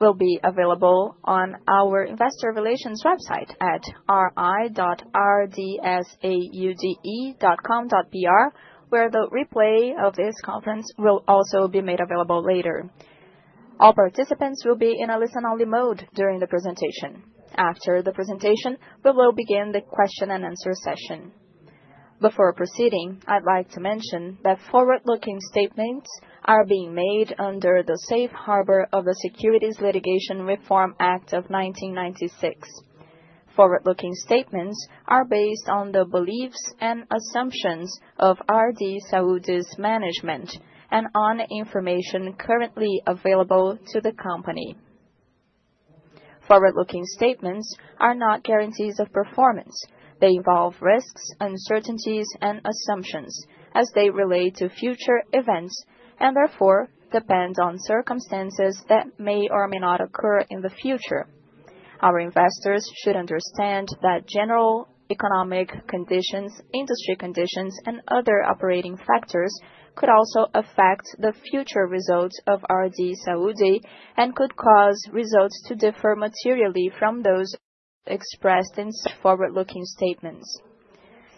Will be available on our investor relations website at ri.rdsaude.com.br, where the replay of this conference will also be made available later. All participants will be in a listen-only mode during the presentation. After the presentation, we will begin the question-and-answer session. Before proceeding, I'd like to mention that forward-looking statements are being made under the Safe Harbor of the Securities Litigation Reform Act of 1996. Forward-looking statements are based on the beliefs and assumptions of RD Saúde's management and on information currently available to the company. Forward-looking statements are not guarantees of performance. They involve risks, uncertainties, and assumptions as they relate to future events and therefore depend on circumstances that may or may not occur in the future. Our investors should understand that general economic conditions, industry conditions, and other operating factors could also affect the future results of RD Saúde and could cause results to differ materially from those expressed in such forward-looking statements.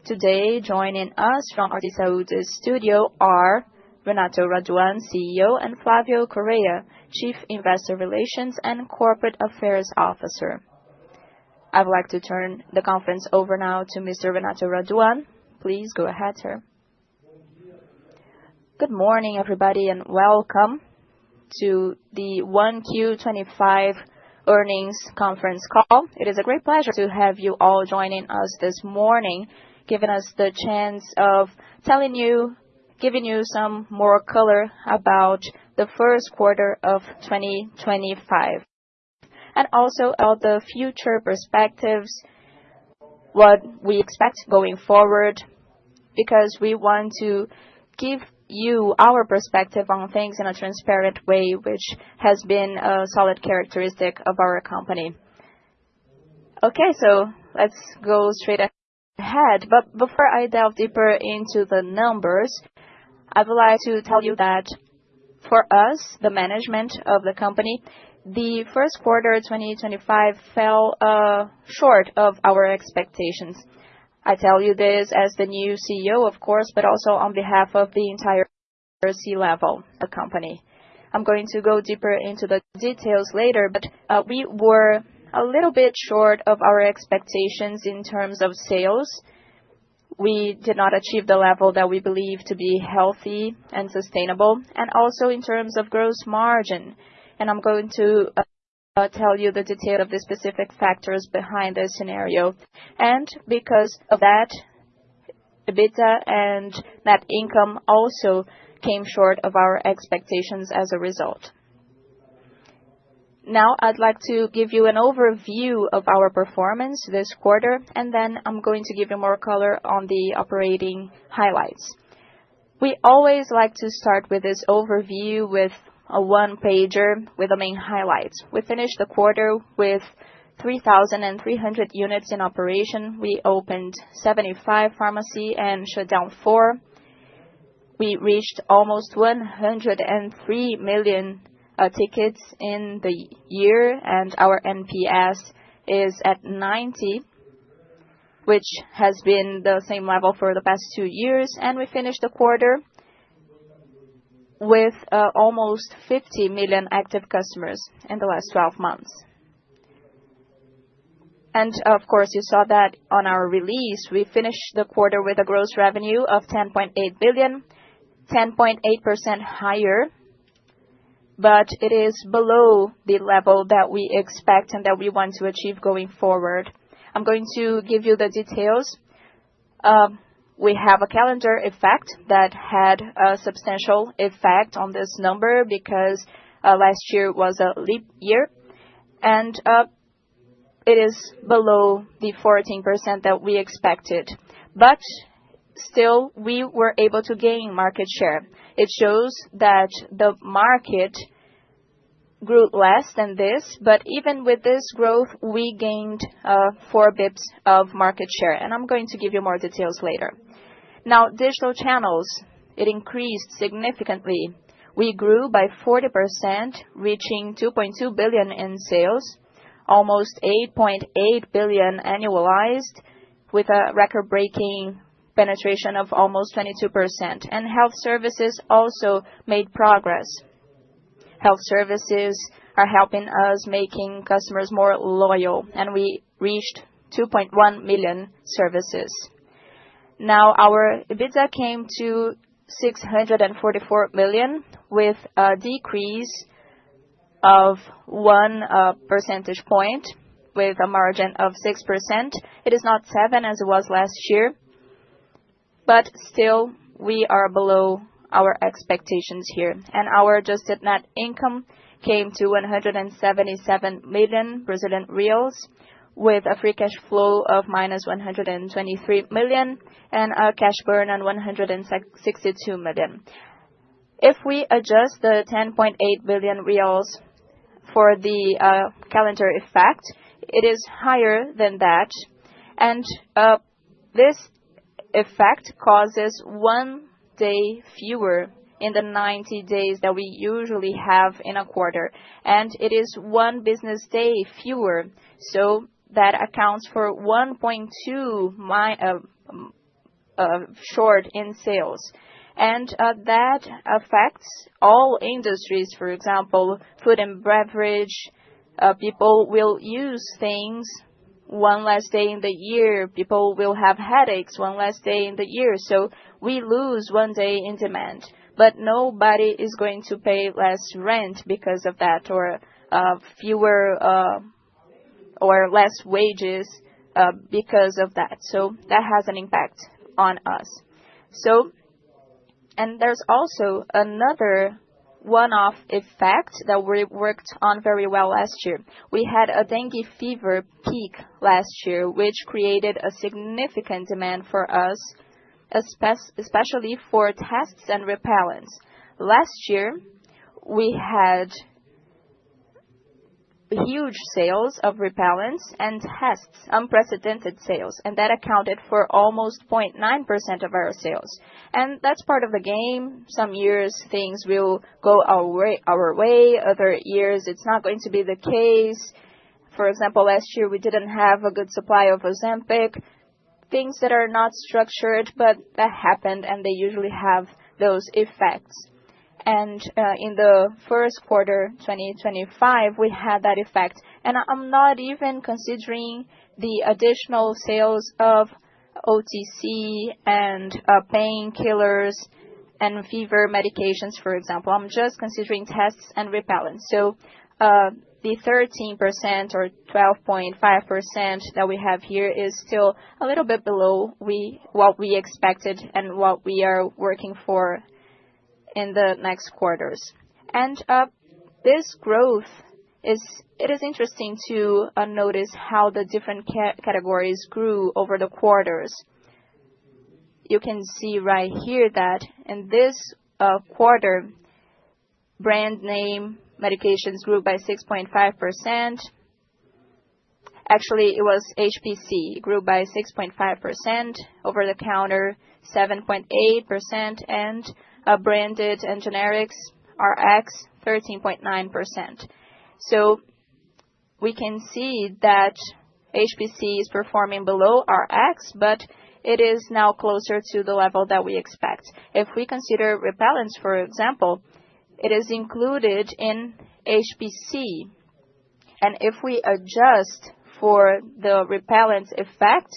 Today, joining us from RD Saúde's studio are Renato Raduan, CEO, and Flavio Correia, Chief Investor Relations and Corporate Affairs Officer. I would like to turn the conference over now to Mr. Renato Raduan. Please go ahead, sir. Good morning, everybody, and welcome to the 1Q25 earnings conference call. It is a great pleasure to have you all joining us this morning, giving us the chance of telling you, giving you some more color about the first quarter of 2025, and also about the future perspectives, what we expect going forward, because we want to give you our perspective on things in a transparent way, which has been a solid characteristic of our company. Okay, let's go straight ahead. Before I delve deeper into the numbers, I would like to tell you that for us, the management of the company, the first quarter of 2025 fell short of our expectations. I tell you this as the new CEO, of course, but also on behalf of the entire C-level company. I'm going to go deeper into the details later, but we were a little bit short of our expectations in terms of sales. We did not achieve the level that we believe to be healthy and sustainable, and also in terms of gross margin. I'm going to tell you the detail of the specific factors behind this scenario. Because of that, EBITDA and net income also came short of our expectations as a result. Now, I'd like to give you an overview of our performance this quarter, and then I'm going to give you more color on the operating highlights. We always like to start with this overview with a one-pager with the main highlights. We finished the quarter with 3,300 units in operation. We opened 75 pharmacies and shut down four. We reached almost 103 million tickets in the year, and our NPS is at 90, which has been the same level for the past two years. We finished the quarter with almost 50 million active customers in the last 12 months. Of course, you saw that on our release, we finished the quarter with a gross revenue of 10.8 billion, 10.8% higher, but it is below the level that we expect and that we want to achieve going forward. I am going to give you the details. We have a calendar effect that had a substantial effect on this number because last year was a leap year, and it is below the 14% that we expected. Still, we were able to gain market share. It shows that the market grew less than this, but even with this growth, we gained four bps of market share. I'm going to give you more details later. Now, digital channels, it increased significantly. We grew by 40%, reaching 2.2 billion in sales, almost 8.8 billion annualized, with a record-breaking penetration of almost 22%. Health services also made progress. Health services are helping us make customers more loyal, and we reached 2.1 million services. Now, our EBITDA came to 644 million, with a decrease of one percentage point, with a margin of 6%. It is not 7% as it was last year, but still, we are below our expectations here. Our adjusted net income came to 177 million Brazilian reais, with a free cash flow of minus 123 million and a cash burn of 162 million. If we adjust the 10.8 billion reais for the calendar effect, it is higher than that. This effect causes one day fewer in the 90 days that we usually have in a quarter. It is one business day fewer, so that accounts for 1.2% short in sales. That affects all industries, for example, food and beverage. People will use things one less day in the year. People will have headaches one less day in the year. We lose one day in demand. Nobody is going to pay less rent because of that or fewer or less wages because of that. That has an impact on us. There is also another one-off effect that we worked on very well last year. We had a dengue fever peak last year, which created a significant demand for us, especially for tests and repellents. Last year, we had huge sales of repellents and tests, unprecedented sales. That accounted for almost 0.9% of our sales. That is part of the game. Some years, things will go our way. Other years, it is not going to be the case. For example, last year, we did not have a good supply of Ozempic, things that are not structured, but that happened, and they usually have those effects. In the first quarter of 2025, we had that effect. I am not even considering the additional sales of OTC and painkillers and fever medications, for example. I am just considering tests and repellents. The 13% or 12.5% that we have here is still a little bit below what we expected and what we are working for in the next quarters. This growth, it is interesting to notice how the different categories grew over the quarters. You can see right here that in this quarter, brand name medications grew by 6.5%. Actually, it was HPC, grew by 6.5%, over-the-counter 7.8%, and branded and generics, RX, 13.9%. We can see that HPC is performing below RX, but it is now closer to the level that we expect. If we consider repellents, for example, it is included in HPC. If we adjust for the repellent effect,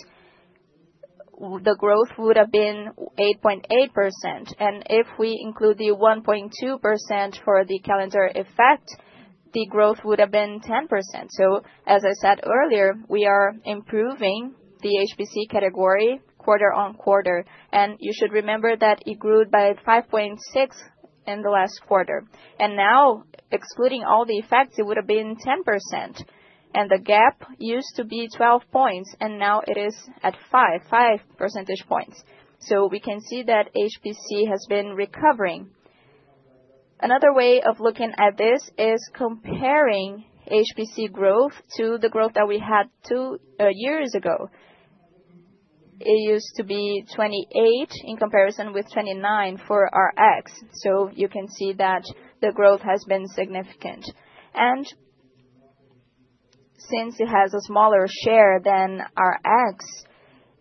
the growth would have been 8.8%. If we include the 1.2% for the calendar effect, the growth would have been 10%. As I said earlier, we are improving the HPC category quarter on quarter. You should remember that it grew by 5.6% in the last quarter. Now, excluding all the effects, it would have been 10%. The gap used to be 12 points, and now it is at 5%, 5 percentage points. We can see that HPC has been recovering. Another way of looking at this is comparing HPC growth to the growth that we had two years ago. It used to be 28% in comparison with 29% for RX. You can see that the growth has been significant. Since it has a smaller share than RX,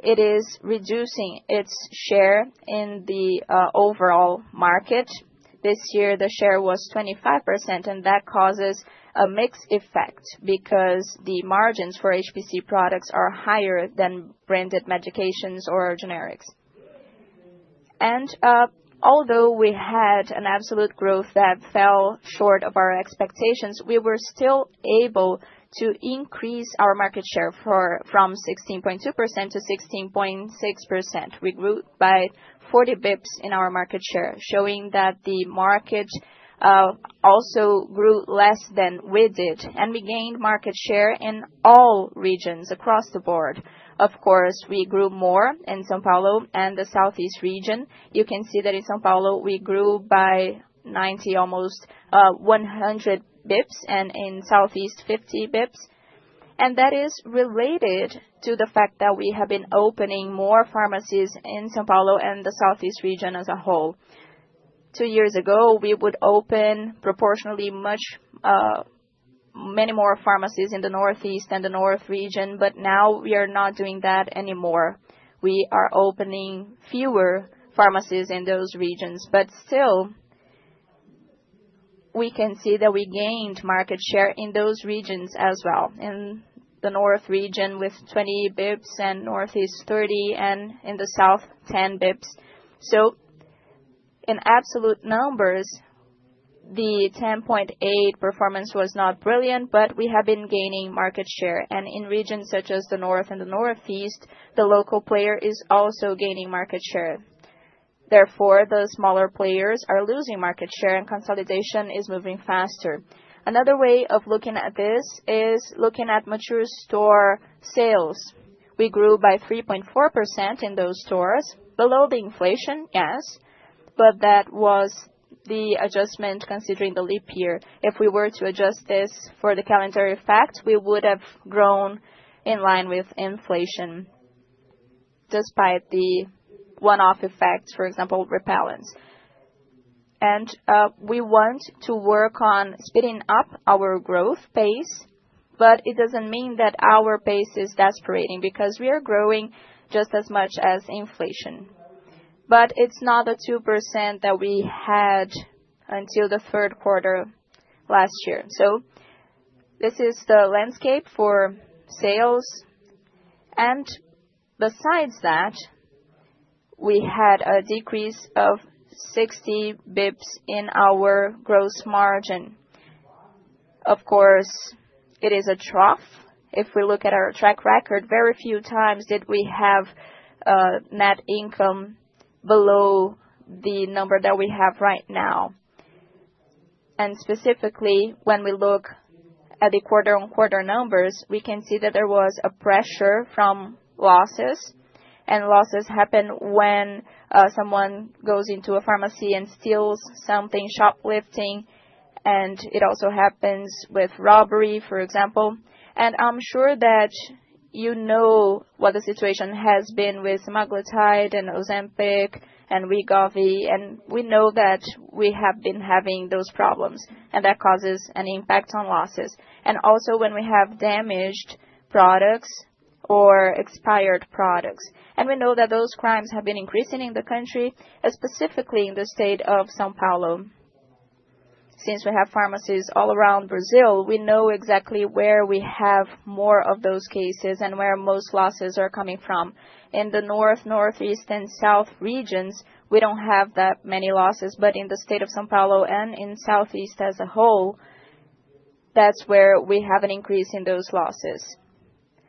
it is reducing its share in the overall market. This year, the share was 25%, and that causes a mixed effect because the margins for HPC products are higher than branded medications or generics. Although we had an absolute growth that fell short of our expectations, we were still able to increase our market share from 16.2% to 16.6%. We grew by 40 bps in our market share, showing that the market also grew less than we did. We gained market share in all regions across the board. Of course, we grew more in São Paulo and the Southeast region. You can see that in São Paulo, we grew by 90, almost 100 bps, and in Southeast, 50 bps. That is related to the fact that we have been opening more pharmacies in São Paulo and the Southeast region as a whole. Two years ago, we would open proportionally many more pharmacies in the Northeast and the North region, but now we are not doing that anymore. We are opening fewer pharmacies in those regions. Still, we can see that we gained market share in those regions as well. In the North region, with 20 bps, and Northeast, 30, and in the South, 10 bps. In absolute numbers, the 10.8% performance was not brilliant, but we have been gaining market share. In regions such as the North and the Northeast, the local player is also gaining market share. Therefore, the smaller players are losing market share, and consolidation is moving faster. Another way of looking at this is looking at mature store sales. We grew by 3.4% in those stores, below the inflation, yes, but that was the adjustment considering the leap year. If we were to adjust this for the calendar effect, we would have grown in line with inflation despite the one-off effects, for example, repellents. We want to work on speeding up our growth pace, but it does not mean that our pace is desperating because we are growing just as much as inflation. It is not the 2% that we had until the third quarter last year. This is the landscape for sales. Besides that, we had a decrease of 60 bps in our gross margin. Of course, it is a trough. If we look at our track record, very few times did we have net income below the number that we have right now. Specifically, when we look at the quarter-on-quarter numbers, we can see that there was a pressure from losses. Losses happen when someone goes into a pharmacy and steals something, shoplifting. It also happens with robbery, for example. I am sure that you know what the situation has been with semaglutide and Ozempic and Wegovy. We know that we have been having those problems, and that causes an impact on losses. Also, when we have damaged products or expired products. We know that those crimes have been increasing in the country, specifically in the state of São Paulo. Since we have pharmacies all around Brazil, we know exactly where we have more of those cases and where most losses are coming from. In the North, Northeast, and South regions, we do not have that many losses. In the state of São Paulo and in Southeast as a whole, that is where we have an increase in those losses.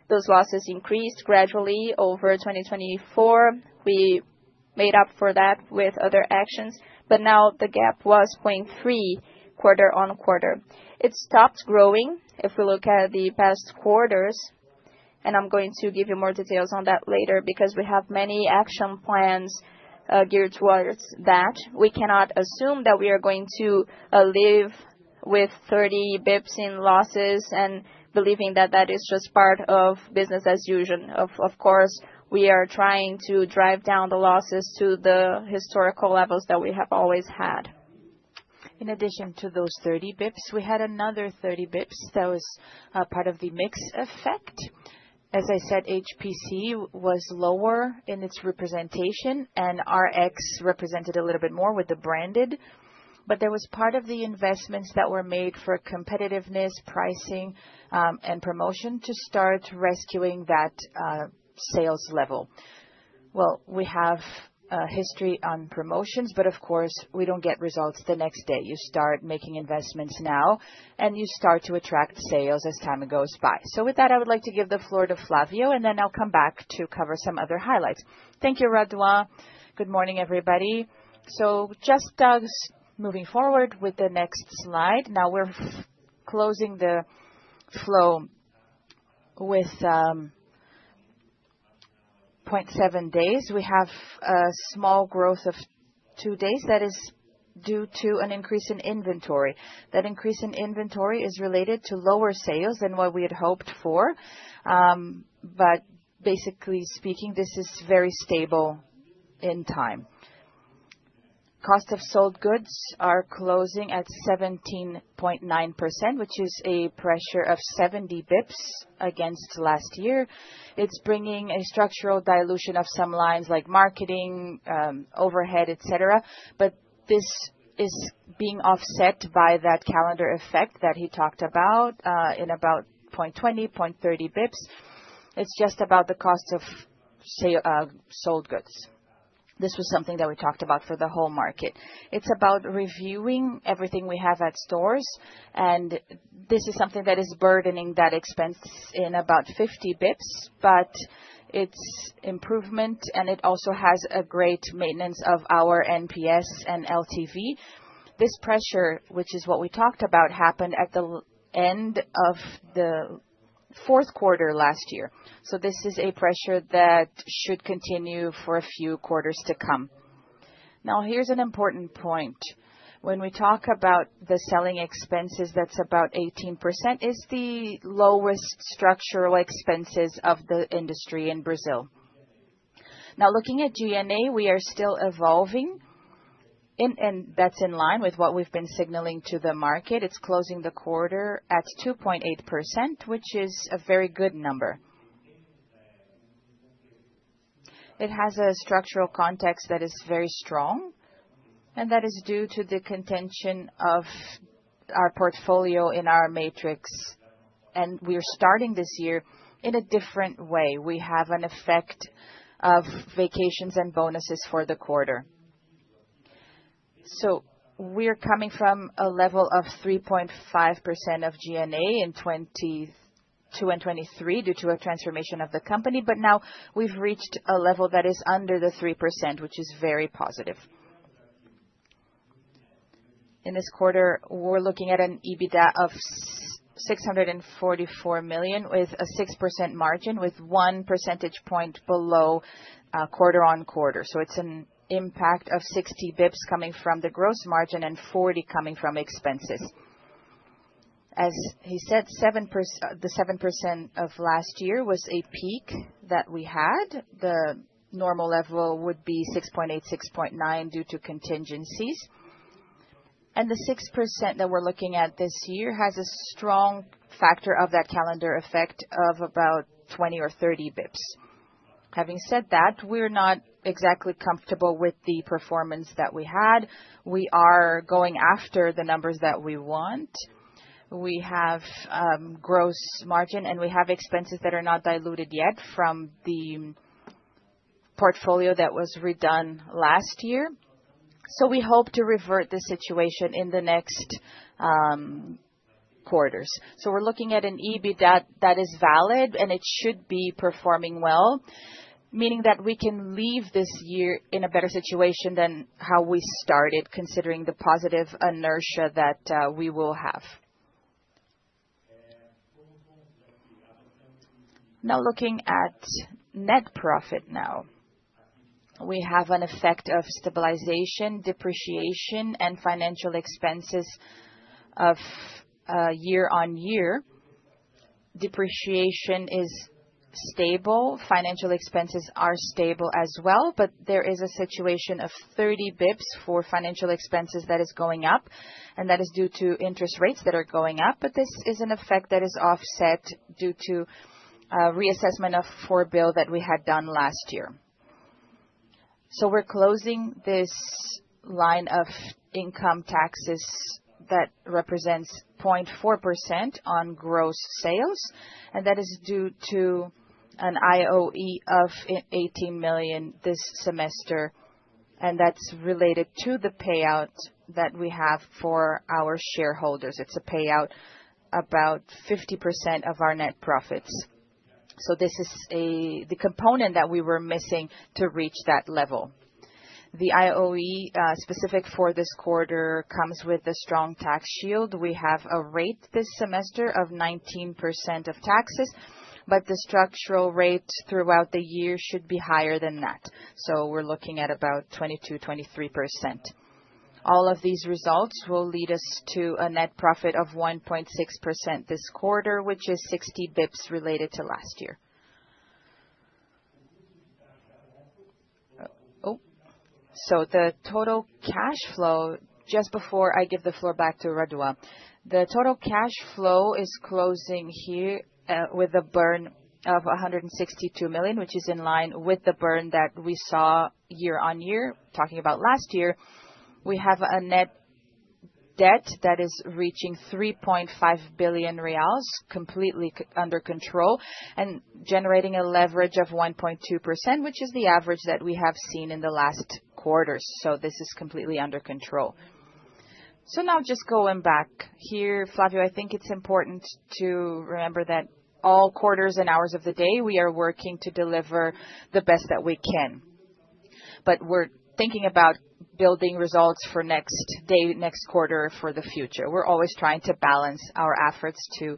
Those losses increased gradually over 2024. We made up for that with other actions. Now the gap was 0.3% quarter on quarter. It stopped growing if we look at the past quarters. I am going to give you more details on that later because we have many action plans geared towards that. We cannot assume that we are going to live with 30 bps in losses and believing that that is just part of business as usual. Of course, we are trying to drive down the losses to the historical levels that we have always had. In addition to those 30 bps, we had another 30 bps that was part of the mixed effect. As I said, HPC was lower in its representation, and RX represented a little bit more with the branded. There was part of the investments that were made for competitiveness, pricing, and promotion to start rescuing that sales level. We have a history on promotions, but of course, we do not get results the next day. You start making investments now, and you start to attract sales as time goes by. With that, I would like to give the floor to Flavio, and then I will come back to cover some other highlights. Thank you, Raduan. Good morning, everybody. Just moving forward with the next slide. Now we're closing the flow with 0.7 days. We have a small growth of two days that is due to an increase in inventory. That increase in inventory is related to lower sales than what we had hoped for. Basically speaking, this is very stable in time. Cost of sold goods are closing at 17.9%, which is a pressure of 70 bps against last year. It is bringing a structural dilution of some lines like marketing, overhead, etc. This is being offset by that calendar effect that he talked about in about 0.20-0.30 bps. It is just about the cost of sold goods. This was something that we talked about for the whole market. It is about reviewing everything we have at stores. This is something that is burdening that expense in about 50 bps, but it is improvement, and it also has a great maintenance of our NPS and LTV. This pressure, which is what we talked about, happened at the end of the fourth quarter last year. This is a pressure that should continue for a few quarters to come. Here is an important point. When we talk about the selling expenses, that is about 18%. It is the lowest structural expenses of the industry in Brazil. Now, looking at G&A, we are still evolving, and that is in line with what we have been signaling to the market. It is closing the quarter at 2.8%, which is a very good number. It has a structural context that is very strong, and that is due to the contention of our portfolio in our matrix. We are starting this year in a different way. We have an effect of vacations and bonuses for the quarter. We are coming from a level of 3.5% of G&A in 2022 and 2023 due to a transformation of the company. Now we have reached a level that is under 3%, which is very positive. In this quarter, we are looking at an EBITDA of 644 million with a 6% margin, with one percentage point below quarter on quarter. It is an impact of 60 bps coming from the gross margin and 40 coming from expenses. As he said, the 7% of last year was a peak that we had. The normal level would be 6.8%-6.9% due to contingencies. The 6% that we are looking at this year has a strong factor of that calendar effect of about 20 or 30 bps. Having said that, we are not exactly comfortable with the performance that we had. We are going after the numbers that we want. We have gross margin, and we have expenses that are not diluted yet from the portfolio that was redone last year. We hope to revert the situation in the next quarters. We are looking at an EBITDA that is valid, and it should be performing well, meaning that we can leave this year in a better situation than how we started, considering the positive inertia that we will have. Now, looking at net profit now, we have an effect of stabilization, depreciation, and financial expenses of year on year. Depreciation is stable. Financial expenses are stable as well, but there is a situation of 30 bps for financial expenses that is going up, and that is due to interest rates that are going up. This is an effect that is offset due to reassessment of Forbil that we had done last year. We are closing this line of income taxes that represents 0.4% on gross sales, and that is due to an IOE of 18 million this semester. That is related to the payout that we have for our shareholders. It is a payout about 50% of our net profits. This is the component that we were missing to reach that level. The IOE specific for this quarter comes with a strong tax shield. We have a rate this semester of 19% of taxes, but the structural rate throughout the year should be higher than that. We are looking at about 22%-23%. All of these results will lead us to a net profit of 1.6% this quarter, which is 60 bps related to last year. The total cash flow, just before I give the floor back to Raduan, the total cash flow is closing here with a burn of 162 million, which is in line with the burn that we saw year on year, talking about last year. We have a net debt that is reaching BRL 3.5 billion, completely under control and generating a leverage of 1.2%, which is the average that we have seen in the last quarters. This is completely under control. Now just going back here, Flavio, I think it's important to remember that all quarters and hours of the day, we are working to deliver the best that we can. We're thinking about building results for next day, next quarter, for the future. We're always trying to balance our efforts to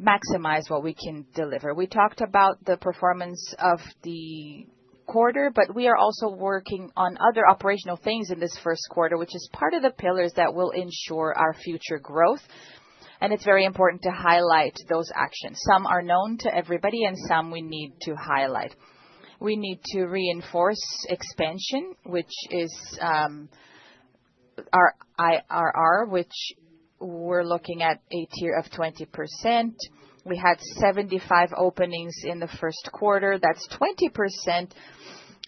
maximize what we can deliver. We talked about the performance of the quarter, but we are also working on other operational things in this first quarter, which is part of the pillars that will ensure our future growth. It is very important to highlight those actions. Some are known to everybody, and some we need to highlight. We need to reinforce expansion, which is our IRR, which we're looking at a tier of 20%. We had 75 openings in the first quarter. That's 20%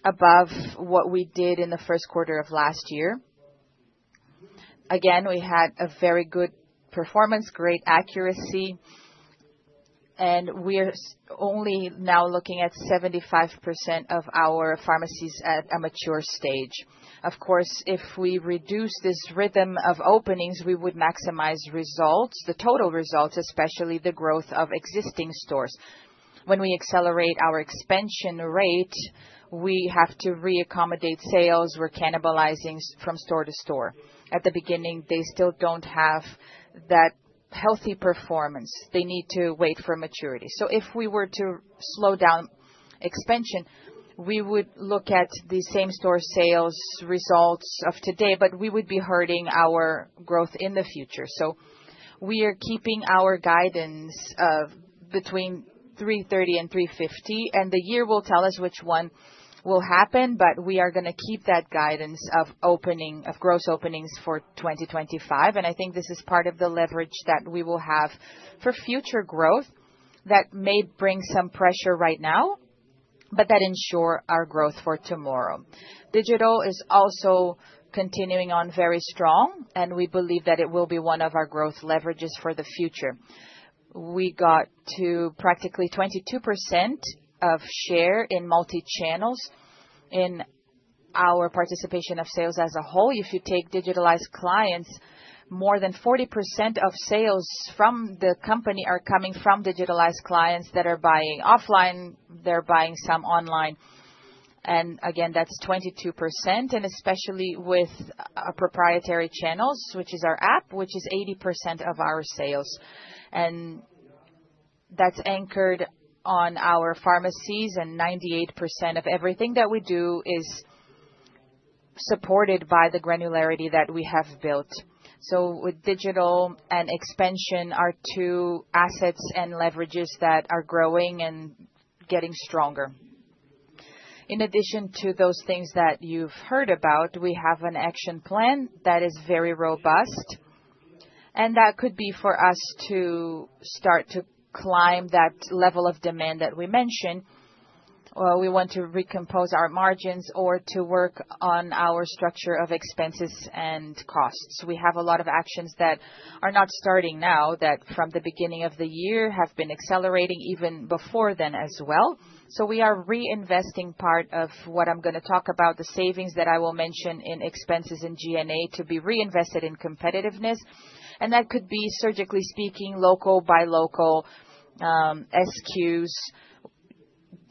above what we did in the first quarter of last year. Again, we had a very good performance, great accuracy, and we're only now looking at 75% of our pharmacies at a mature stage. Of course, if we reduce this rhythm of openings, we would maximize results, the total results, especially the growth of existing stores. When we accelerate our expansion rate, we have to reaccommodate sales. We're cannibalizing from store to store. At the beginning, they still do not have that healthy performance. They need to wait for maturity. If we were to slow down expansion, we would look at the same store sales results of today, but we would be hurting our growth in the future. We are keeping our guidance of between 330 and 350, and the year will tell us which one will happen, but we are going to keep that guidance of gross openings for 2025. I think this is part of the leverage that we will have for future growth that may bring some pressure right now, but that ensures our growth for tomorrow. Digital is also continuing on very strong, and we believe that it will be one of our growth leverages for the future. We got to practically 22% of share in multichannels in our participation of sales as a whole. If you take digitalized clients, more than 40% of sales from the company are coming from digitalized clients that are buying offline. They're buying some online. That is 22%, and especially with proprietary channels, which is our app, which is 80% of our sales. That is anchored on our pharmacies, and 98% of everything that we do is supported by the granularity that we have built. With digital and expansion, our two assets and leverages that are growing and getting stronger. In addition to those things that you've heard about, we have an action plan that is very robust, and that could be for us to start to climb that level of demand that we mentioned. We want to recompose our margins or to work on our structure of expenses and costs. We have a lot of actions that are not starting now, that from the beginning of the year have been accelerating even before then as well. We are reinvesting part of what I'm going to talk about, the savings that I will mention in expenses and G&A to be reinvested in competitiveness. That could be, surgically speaking, local by local SQs.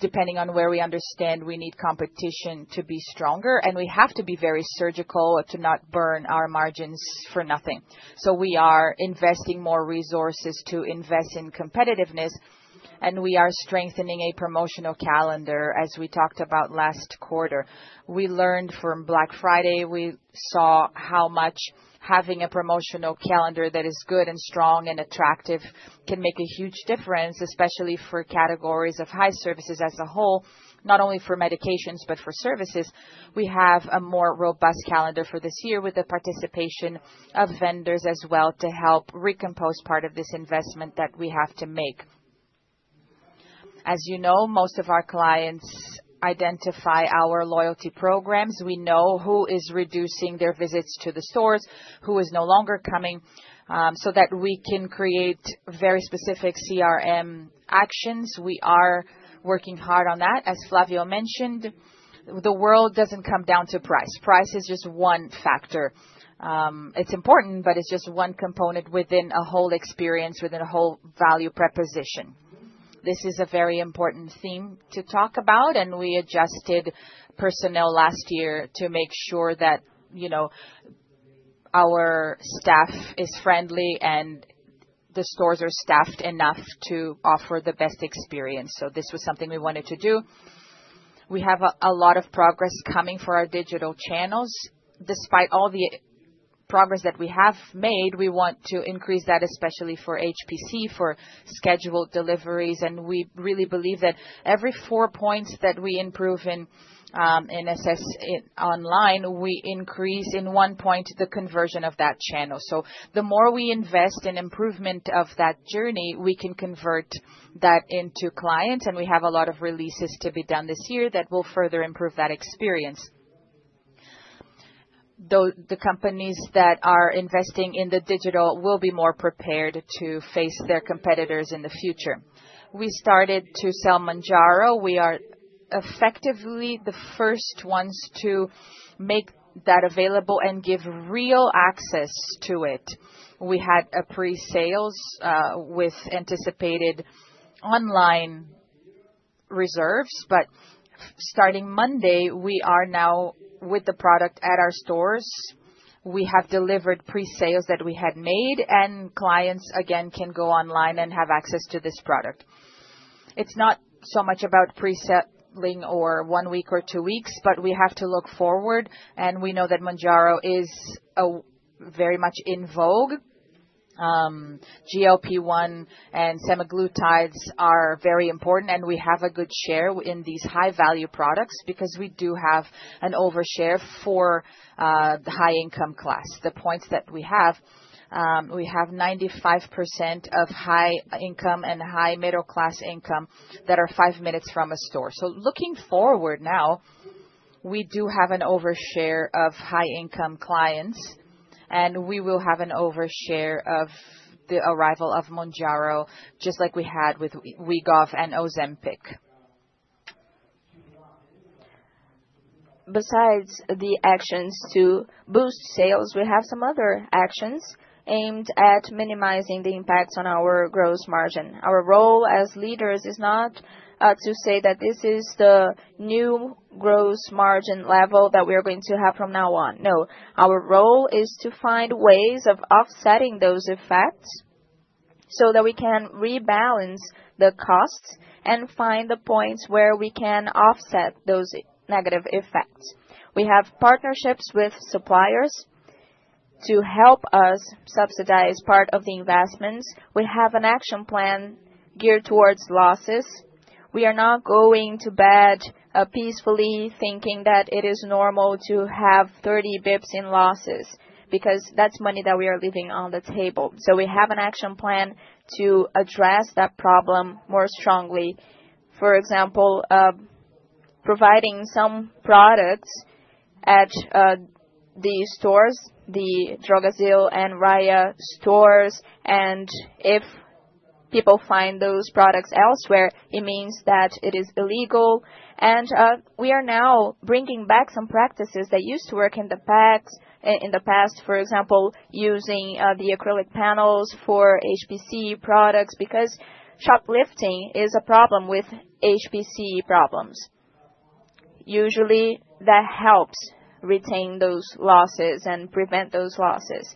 Depending on where we understand, we need competition to be stronger, and we have to be very surgical to not burn our margins for nothing. We are investing more resources to invest in competitiveness, and we are strengthening a promotional calendar as we talked about last quarter. We learned from Black Friday. We saw how much having a promotional calendar that is good and strong and attractive can make a huge difference, especially for categories of high services as a whole, not only for medications, but for services. We have a more robust calendar for this year with the participation of vendors as well to help recompose part of this investment that we have to make. As you know, most of our clients identify our loyalty programs. We know who is reducing their visits to the stores, who is no longer coming, so that we can create very specific CRM actions. We are working hard on that. As Flavio mentioned, the world does not come down to price. Price is just one factor. It is important, but it is just one component within a whole experience, within a whole value proposition. This is a very important theme to talk about, and we adjusted personnel last year to make sure that our staff is friendly and the stores are staffed enough to offer the best experience. This was something we wanted to do. We have a lot of progress coming for our digital channels. Despite all the progress that we have made, we want to increase that, especially for HPC, for scheduled deliveries. We really believe that every four points that we improve in online, we increase in one point the conversion of that channel. The more we invest in improvement of that journey, we can convert that into clients. We have a lot of releases to be done this year that will further improve that experience. The companies that are investing in the digital will be more prepared to face their competitors in the future. We started to sell Mounjaro. We are effectively the first ones to make that available and give real access to it. We had a pre-sales with anticipated online reserves, but starting Monday, we are now with the product at our stores. We have delivered pre-sales that we had made, and clients, again, can go online and have access to this product. It's not so much about preselling or one week or two weeks, but we have to look forward, and we know that Mounjaro is very much in vogue. GLP-1 and semaglutides are very important, and we have a good share in these high-value products because we do have an overshare for the high-income class. The points that we have, we have 95% of high income and high middle-class income that are five minutes from a store. Looking forward now, we do have an overshare of high-income clients, and we will have an overshare of the arrival of Mounjaro, just like we had with Wegovy and Ozempic. Besides the actions to boost sales, we have some other actions aimed at minimizing the impacts on our gross margin. Our role as leaders is not to say that this is the new gross margin level that we are going to have from now on. No, our role is to find ways of offsetting those effects so that we can rebalance the costs and find the points where we can offset those negative effects. We have partnerships with suppliers to help us subsidize part of the investments. We have an action plan geared towards losses. We are not going to bed peacefully thinking that it is normal to have 30 bps in losses because that's money that we are leaving on the table. We have an action plan to address that problem more strongly. For example, providing some products at the stores, the Drogasil and Raia stores, and if people find those products elsewhere, it means that it is illegal. We are now bringing back some practices that used to work in the past, for example, using the acrylic panels for HPC products because shoplifting is a problem with HPC products. Usually, that helps retain those losses and prevent those losses.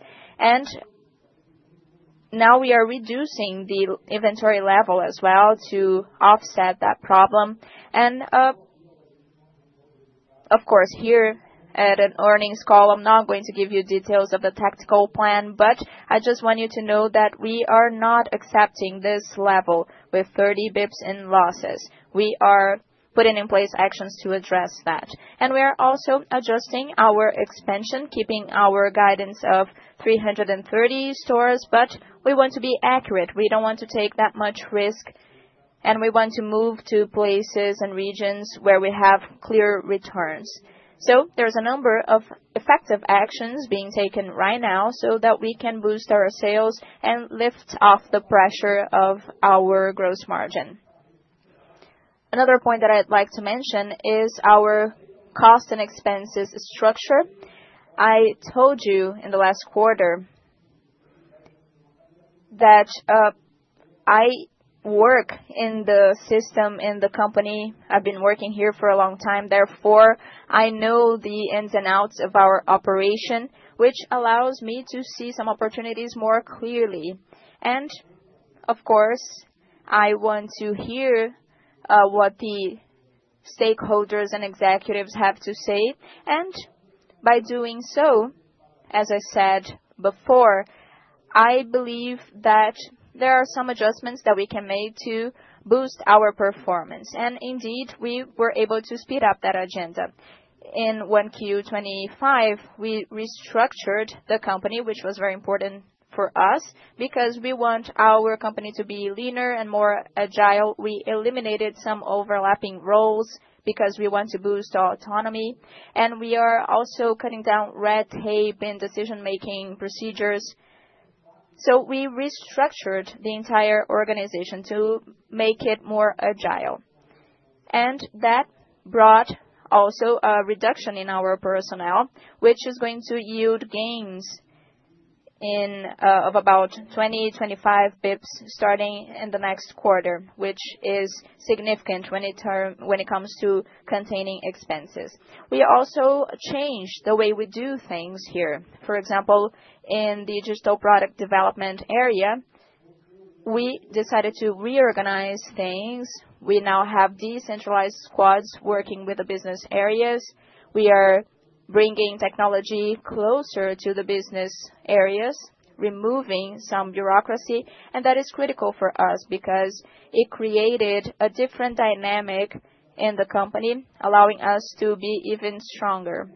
We are reducing the inventory level as well to offset that problem. Of course, here at an earnings call, I'm not going to give you details of the tactical plan, but I just want you to know that we are not accepting this level with 30 bps in losses. We are putting in place actions to address that. We are also adjusting our expansion, keeping our guidance of 330 stores, but we want to be accurate. We do not want to take that much risk, and we want to move to places and regions where we have clear returns. There is a number of effective actions being taken right now so that we can boost our sales and lift off the pressure of our gross margin. Another point that I'd like to mention is our cost and expenses structure. I told you in the last quarter that I work in the system in the company. I've been working here for a long time. Therefore, I know the ins and outs of our operation, which allows me to see some opportunities more clearly. Of course, I want to hear what the stakeholders and executives have to say. By doing so, as I said before, I believe that there are some adjustments that we can make to boost our performance. Indeed, we were able to speed up that agenda. In 1Q2025, we restructured the company, which was very important for us because we want our company to be leaner and more agile. We eliminated some overlapping roles because we want to boost autonomy. We are also cutting down red tape in decision-making procedures. We restructured the entire organization to make it more agile. That brought also a reduction in our personnel, which is going to yield gains of about 20-25 bps starting in the next quarter, which is significant when it comes to containing expenses. We also changed the way we do things here. For example, in the digital product development area, we decided to reorganize things. We now have decentralized squads working with the business areas. We are bringing technology closer to the business areas, removing some bureaucracy, and that is critical for us because it created a different dynamic in the company, allowing us to be even stronger.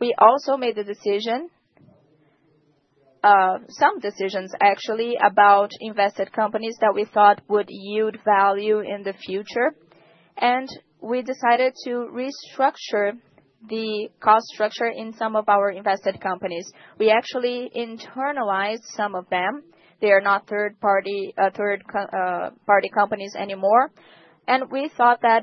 We also made some decisions, actually, about invested companies that we thought would yield value in the future. We decided to restructure the cost structure in some of our invested companies. We actually internalized some of them. They are not third-party companies anymore. We thought that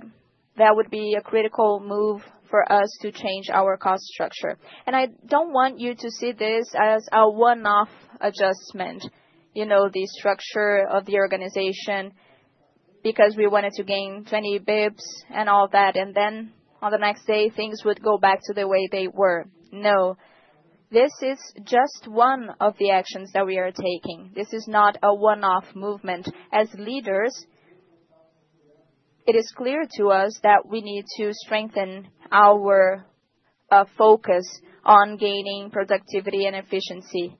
that would be a critical move for us to change our cost structure. I do not want you to see this as a one-off adjustment, the structure of the organization, because we wanted to gain 20 bps and all that, and then on the next day, things would go back to the way they were. No, this is just one of the actions that we are taking. This is not a one-off movement. As leaders, it is clear to us that we need to strengthen our focus on gaining productivity and efficiency.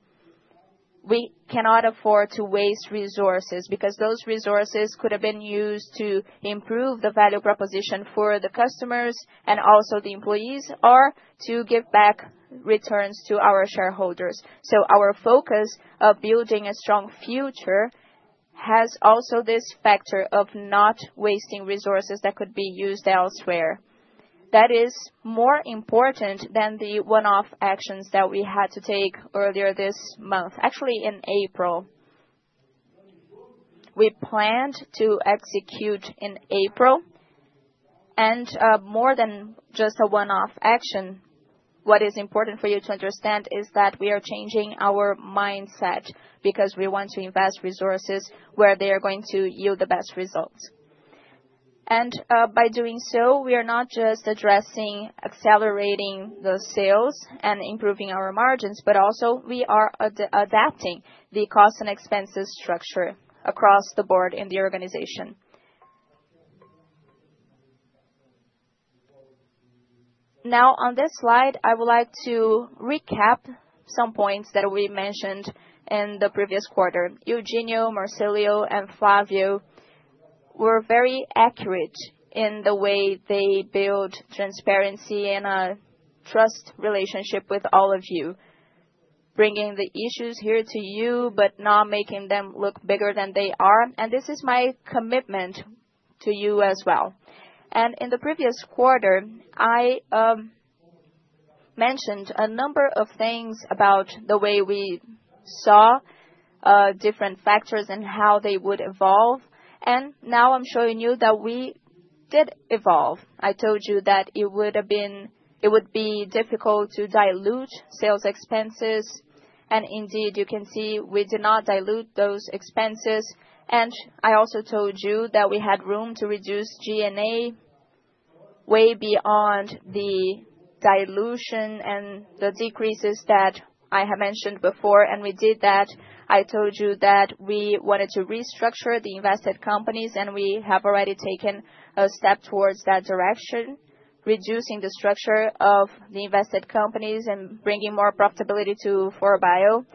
We cannot afford to waste resources because those resources could have been used to improve the value proposition for the customers and also the employees or to give back returns to our shareholders. Our focus of building a strong future has also this factor of not wasting resources that could be used elsewhere. That is more important than the one-off actions that we had to take earlier this month, actually in April. We planned to execute in April, and more than just a one-off action, what is important for you to understand is that we are changing our mindset because we want to invest resources where they are going to yield the best results. By doing so, we are not just addressing accelerating the sales and improving our margins, but also we are adapting the cost and expenses structure across the board in the organization. Now, on this slide, I would like to recap some points that we mentioned in the previous quarter. Eugenio, Marcilio, and Flavio were very accurate in the way they build transparency and a trust relationship with all of you, bringing the issues here to you, but not making them look bigger than they are. This is my commitment to you as well. In the previous quarter, I mentioned a number of things about the way we saw different factors and how they would evolve. Now I am showing you that we did evolve. I told you that it would be difficult to dilute sales expenses. Indeed, you can see we did not dilute those expenses. I also told you that we had room to reduce G&A way beyond the dilution and the decreases that I have mentioned before. We did that. I told you that we wanted to restructure the invested companies, and we have already taken a step towards that direction, reducing the structure of the invested companies and bringing more profitability to 4Bio.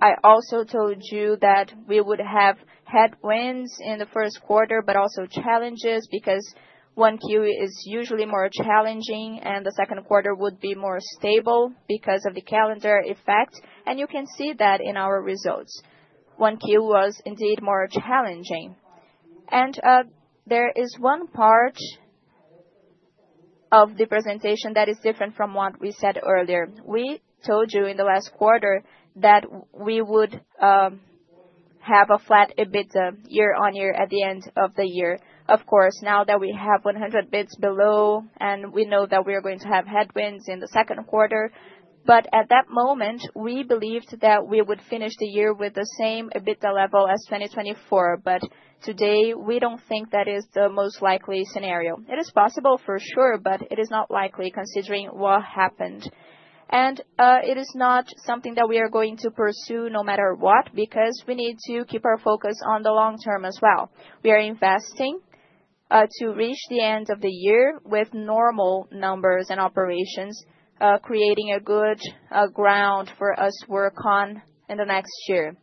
I also told you that we would have headwinds in the first quarter, but also challenges because 1Q is usually more challenging, and the second quarter would be more stable because of the calendar effect. You can see that in our results. 1Q was indeed more challenging. There is one part of the presentation that is different from what we said earlier. We told you in the last quarter that we would have a flat EBITDA year-on-year at the end of the year. Of course, now that we have 100 bps below and we know that we are going to have headwinds in the second quarter, at that moment, we believed that we would finish the year with the same EBITDA level as 2024. Today, we do not think that is the most likely scenario. It is possible for sure, but it is not likely considering what happened. It is not something that we are going to pursue no matter what because we need to keep our focus on the long term as well. We are investing to reach the end of the year with normal numbers and operations, creating a good ground for us to work on in the next year.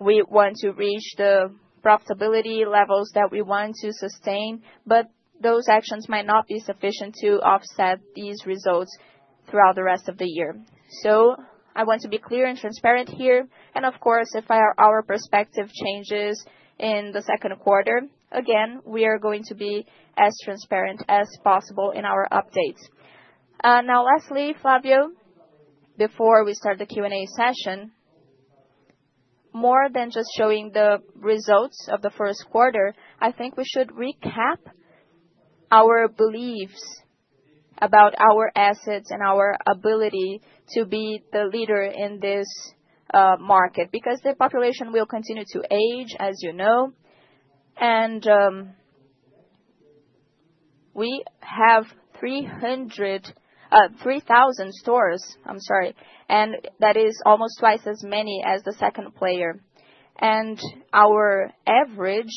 We want to reach the profitability levels that we want to sustain, but those actions might not be sufficient to offset these results throughout the rest of the year. I want to be clear and transparent here. Of course, if our perspective changes in the second quarter, again, we are going to be as transparent as possible in our updates. Now, lastly, Flavio, before we start the Q&A session, more than just showing the results of the first quarter, I think we should recap our beliefs about our assets and our ability to be the leader in this market because the population will continue to age, as you know. We have 3,000 stores, I'm sorry, and that is almost twice as many as the second player. Our average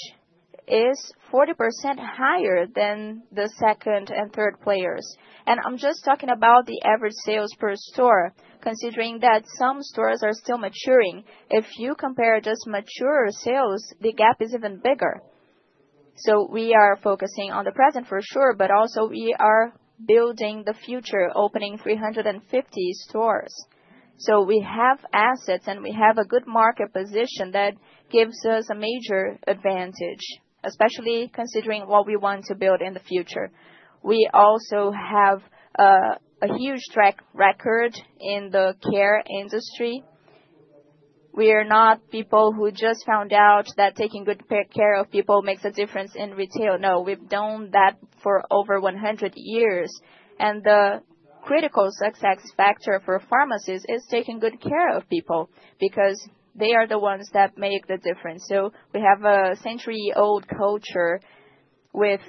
is 40% higher than the second and third players. I'm just talking about the average sales per store, considering that some stores are still maturing. If you compare just mature sales, the gap is even bigger. We are focusing on the present for sure, but also we are building the future, opening 350 stores. We have assets and we have a good market position that gives us a major advantage, especially considering what we want to build in the future. We also have a huge track record in the care industry. We are not people who just found out that taking good care of people makes a difference in retail. No, we've done that for over 100 years. The critical success factor for pharmacies is taking good care of people because they are the ones that make the difference. We have a century-old culture with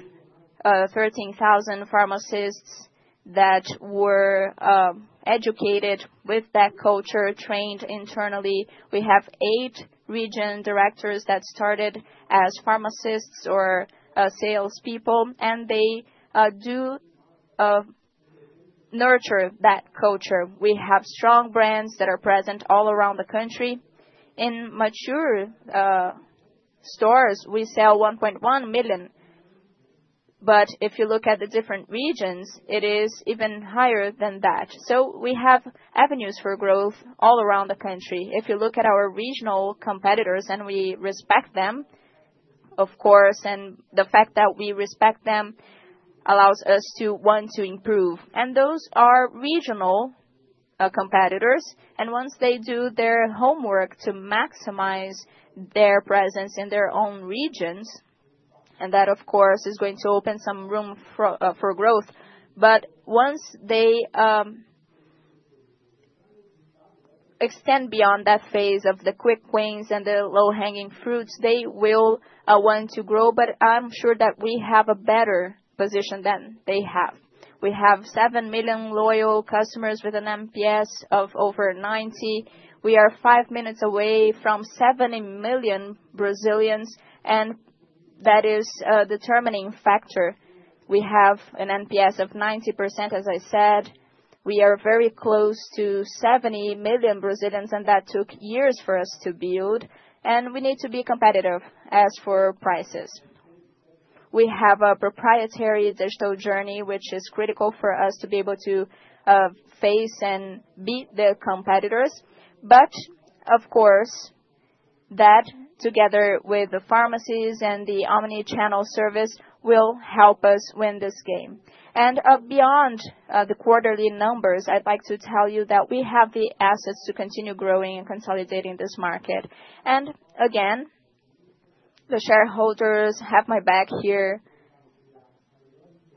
13,000 pharmacists that were educated with that culture, trained internally. We have eight region directors that started as pharmacists or salespeople, and they do nurture that culture. We have strong brands that are present all around the country. In mature stores, we sell 1.1 million, but if you look at the different regions, it is even higher than that. We have avenues for growth all around the country. If you look at our regional competitors and we respect them, of course, and the fact that we respect them allows us to want to improve. Those are regional competitors. Once they do their homework to maximize their presence in their own regions, that, of course, is going to open some room for growth. Once they extend beyond that phase of the quick wins and the low-hanging fruits, they will want to grow, but I'm sure that we have a better position than they have. We have 7 million loyal customers with an NPS of over 90. We are five minutes away from 70 million Brazilians, and that is a determining factor. We have an NPS of 90%, as I said. We are very close to 70 million Brazilians, and that took years for us to build. We need to be competitive as for prices. We have a proprietary digital journey, which is critical for us to be able to face and beat the competitors. That together with the pharmacies and the omnichannel service will help us win this game. Beyond the quarterly numbers, I'd like to tell you that we have the assets to continue growing and consolidating this market. Again, the shareholders have my back here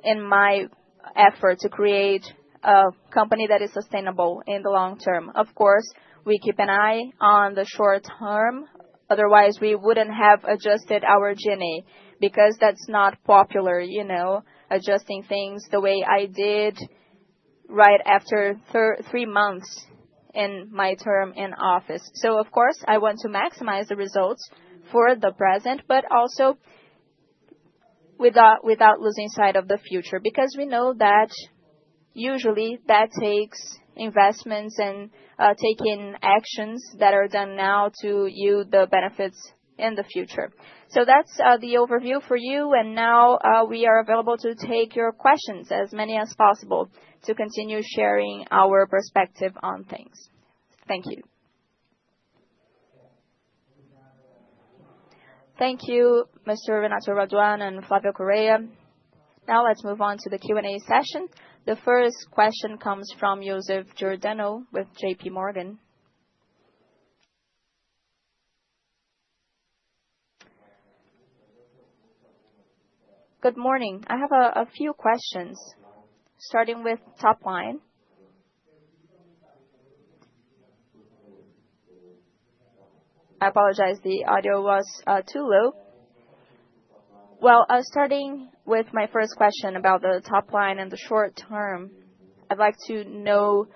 in my effort to create a company that is sustainable in the long term. Of course, we keep an eye on the short term. Otherwise, we would not have adjusted our G&A because that is not popular, adjusting things the way I did right after three months in my term in office. Of course, I want to maximize the results for the present, but also without losing sight of the future because we know that usually that takes investments and taking actions that are done now to yield the benefits in the future. That is the overview for you. Now we are available to take your questions, as many as possible, to continue sharing our perspective on things. Thank you. Thank you, Mr. Renato Raduan and Flavio Correia. Now let us move on to the Q&A session. The first question comes from Joseph Giordano with JPMorgan. Good morning. I have a few questions, starting with top line. I apologize. The audio was too low. Starting with my first question about the top line and the short term, I'd like to know,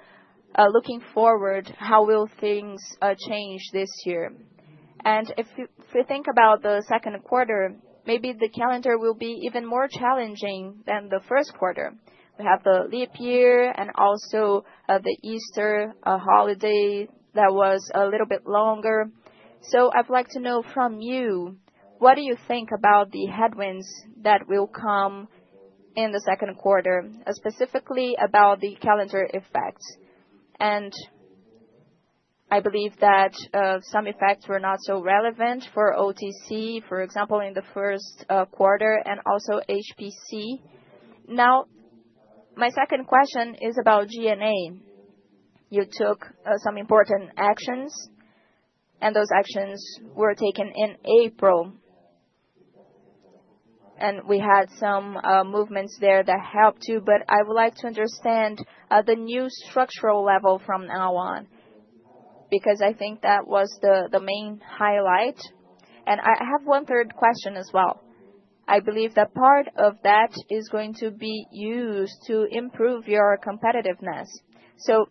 looking forward, how will things change this year? If you think about the second quarter, maybe the calendar will be even more challenging than the first quarter. We have the leap year and also the Easter holiday that was a little bit longer. I'd like to know from you, what do you think about the headwinds that will come in the second quarter, specifically about the calendar effects? I believe that some effects were not so relevant for OTC, for example, in the first quarter, and also HPC. My second question is about G&A. You took some important actions, and those actions were taken in April. We had some movements there that helped you, but I would like to understand the new structural level from now on because I think that was the main highlight. I have one third question as well. I believe that part of that is going to be used to improve your competitiveness.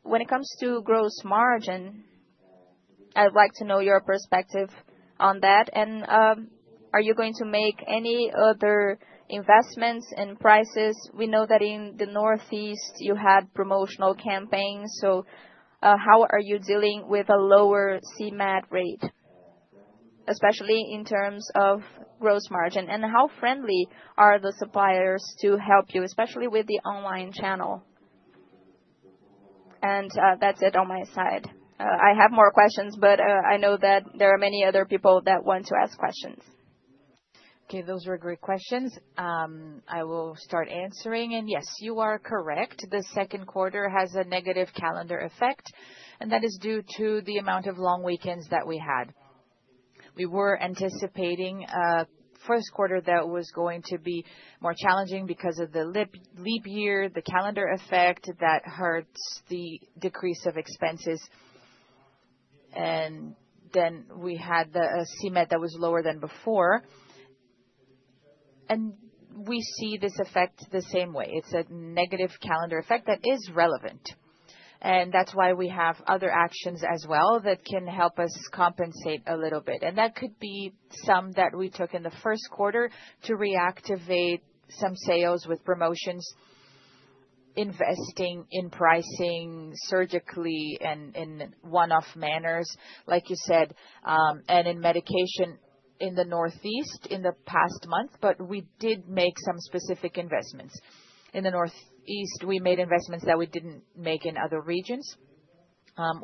When it comes to gross margin, I'd like to know your perspective on that. Are you going to make any other investments in prices? We know that in the Northeast, you had promotional campaigns. How are you dealing with a lower CMED rate, especially in terms of gross margin? How friendly are the suppliers to help you, especially with the online channel? That's it on my side. I have more questions, but I know that there are many other people that want to ask questions. Those are great questions. I will start answering. Yes, you are correct. The second quarter has a negative calendar effect, and that is due to the amount of long weekends that we had. We were anticipating a first quarter that was going to be more challenging because of the leap year, the calendar effect that hurts the decrease of expenses. Then we had the CMED that was lower than before. We see this effect the same way. It is a negative calendar effect that is relevant. That is why we have other actions as well that can help us compensate a little bit. That could be some that we took in the first quarter to reactivate some sales with promotions, investing in pricing surgically and in one-off manners, like you said, and in medication in the Northeast in the past month. We did make some specific investments. In the Northeast, we made investments that we did not make in other regions.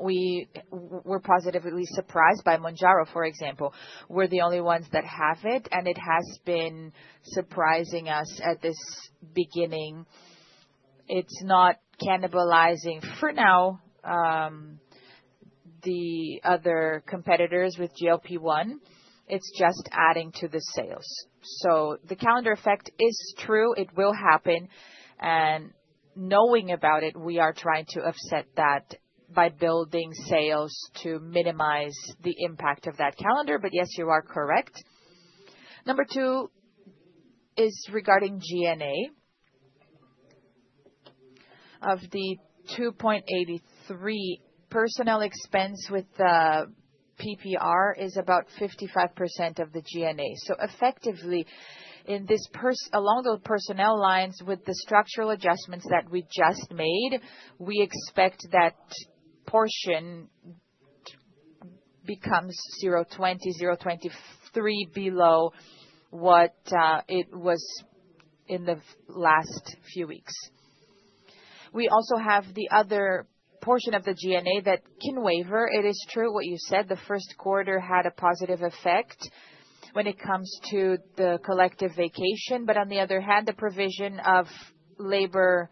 We were positively surprised by Mounjaro, for example. We are the only ones that have it, and it has been surprising us at this beginning. It is not cannibalizing for now the other competitors with GLP-1. It is just adding to the sales. The calendar effect is true. It will happen. Knowing about it, we are trying to offset that by building sales to minimize the impact of that calendar. Yes, you are correct. Number two is regarding G&A. Of the 2.83 million personnel expense with PPR, it is about 55% of the G&A. Effectively, along those personnel lines with the structural adjustments that we just made, we expect that portion becomes 0.20-0.23 below what it was in the last few weeks. We also have the other portion of the G&A that can waiver. It is true what you said. The first quarter had a positive effect when it comes to the collective vacation. On the other hand, the provision of labor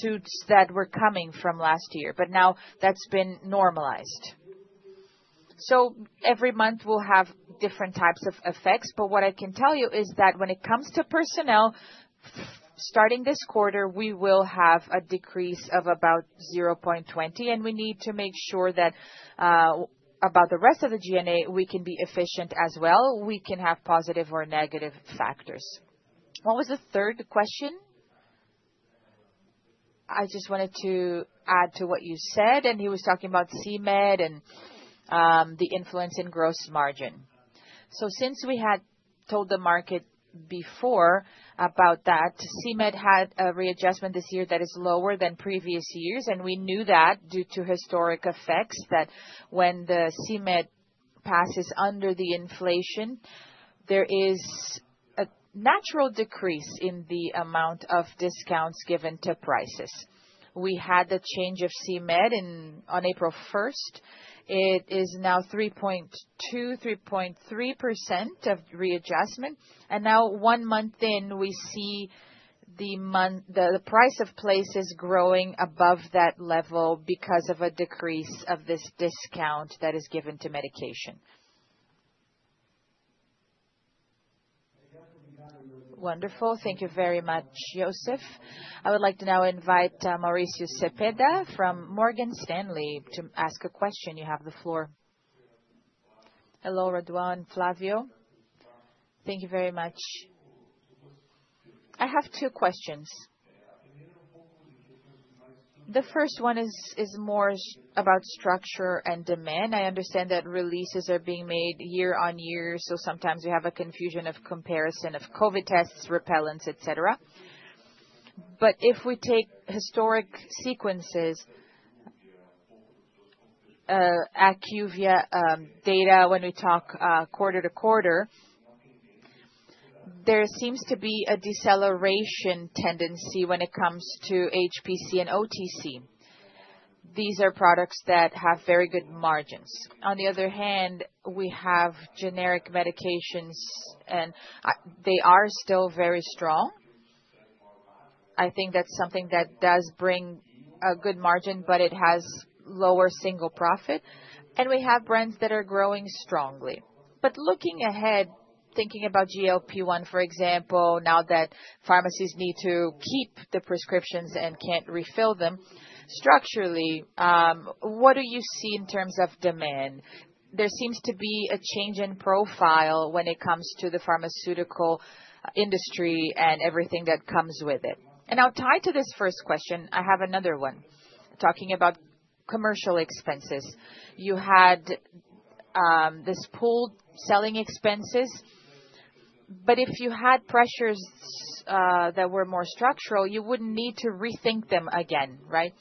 suits that were coming from last year. Now that's been normalized. Every month, we'll have different types of effects. What I can tell you is that when it comes to personnel, starting this quarter, we will have a decrease of about 0.20. We need to make sure that about the rest of the G&A, we can be efficient as well. We can have positive or negative factors. What was the third question? I just wanted to add to what you said. He was talking about CMED and the influence in gross margin. Since we had told the market before about that, CMED had a readjustment this year that is lower than previous years. We knew that due to historic effects that when the CMED passes under the inflation, there is a natural decrease in the amount of discounts given to prices. We had the change of CMED on April 1. It is now 3.2%-3.3% of readjustment. Now, one month in, we see the price of places growing above that level because of a decrease of this discount that is given to medication. Wonderful. Thank you very much, Joseph. I would like to now invite Mauricio Zapeda from Morgan Stanley to ask a question. You have the floor. Hello, Raduan, Flavio. Thank you very much. I have two questions. The first one is more about structure and demand. I understand that releases are being made year on year, so sometimes we have a confusion of comparison of COVID tests, repellants, etc. If we take historic sequences, IQVIA data when we talk quarter to quarter, there seems to be a deceleration tendency when it comes to HPC and OTC. These are products that have very good margins. On the other hand, we have generic medications, and they are still very strong. I think that's something that does bring a good margin, but it has lower single profit. We have brands that are growing strongly. Looking ahead, thinking about GLP-1, for example, now that pharmacies need to keep the prescriptions and can't refill them, structurally, what do you see in terms of demand? There seems to be a change in profile when it comes to the pharmaceutical industry and everything that comes with it. Now, tied to this first question, I have another one talking about commercial expenses. You had this pooled selling expenses. If you had pressures that were more structural, you would not need to rethink them again, right?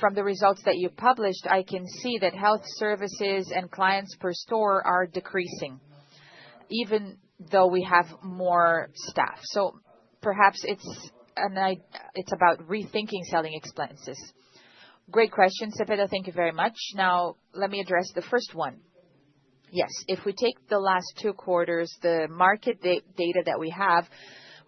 From the results that you published, I can see that health services and clients per store are decreasing, even though we have more staff. So perhaps it is about rethinking selling expenses. Great question, Zapeda. Thank you very much. Now, let me address the first one. Yes. If we take the last two quarters, the market data that we have,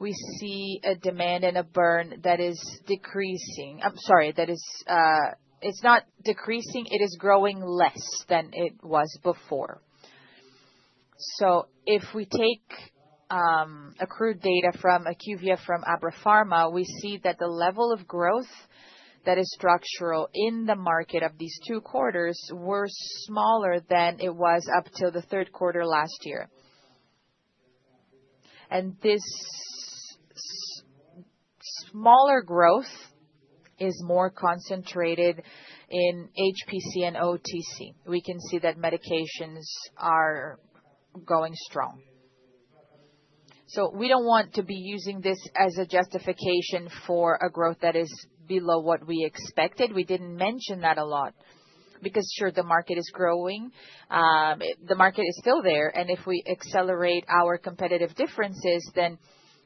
we see a demand and a burn that is decreasing. I am sorry, that is, it is not decreasing. It is growing less than it was before. If we take accrued data from IQVIA from Abrapharma, we see that the level of growth that is structural in the market of these two quarters was smaller than it was up till the third quarter last year. This smaller growth is more concentrated in HPC and OTC. We can see that medications are going strong. We do not want to be using this as a justification for a growth that is below what we expected. We did not mention that a lot because, sure, the market is growing. The market is still there. If we accelerate our competitive differences, then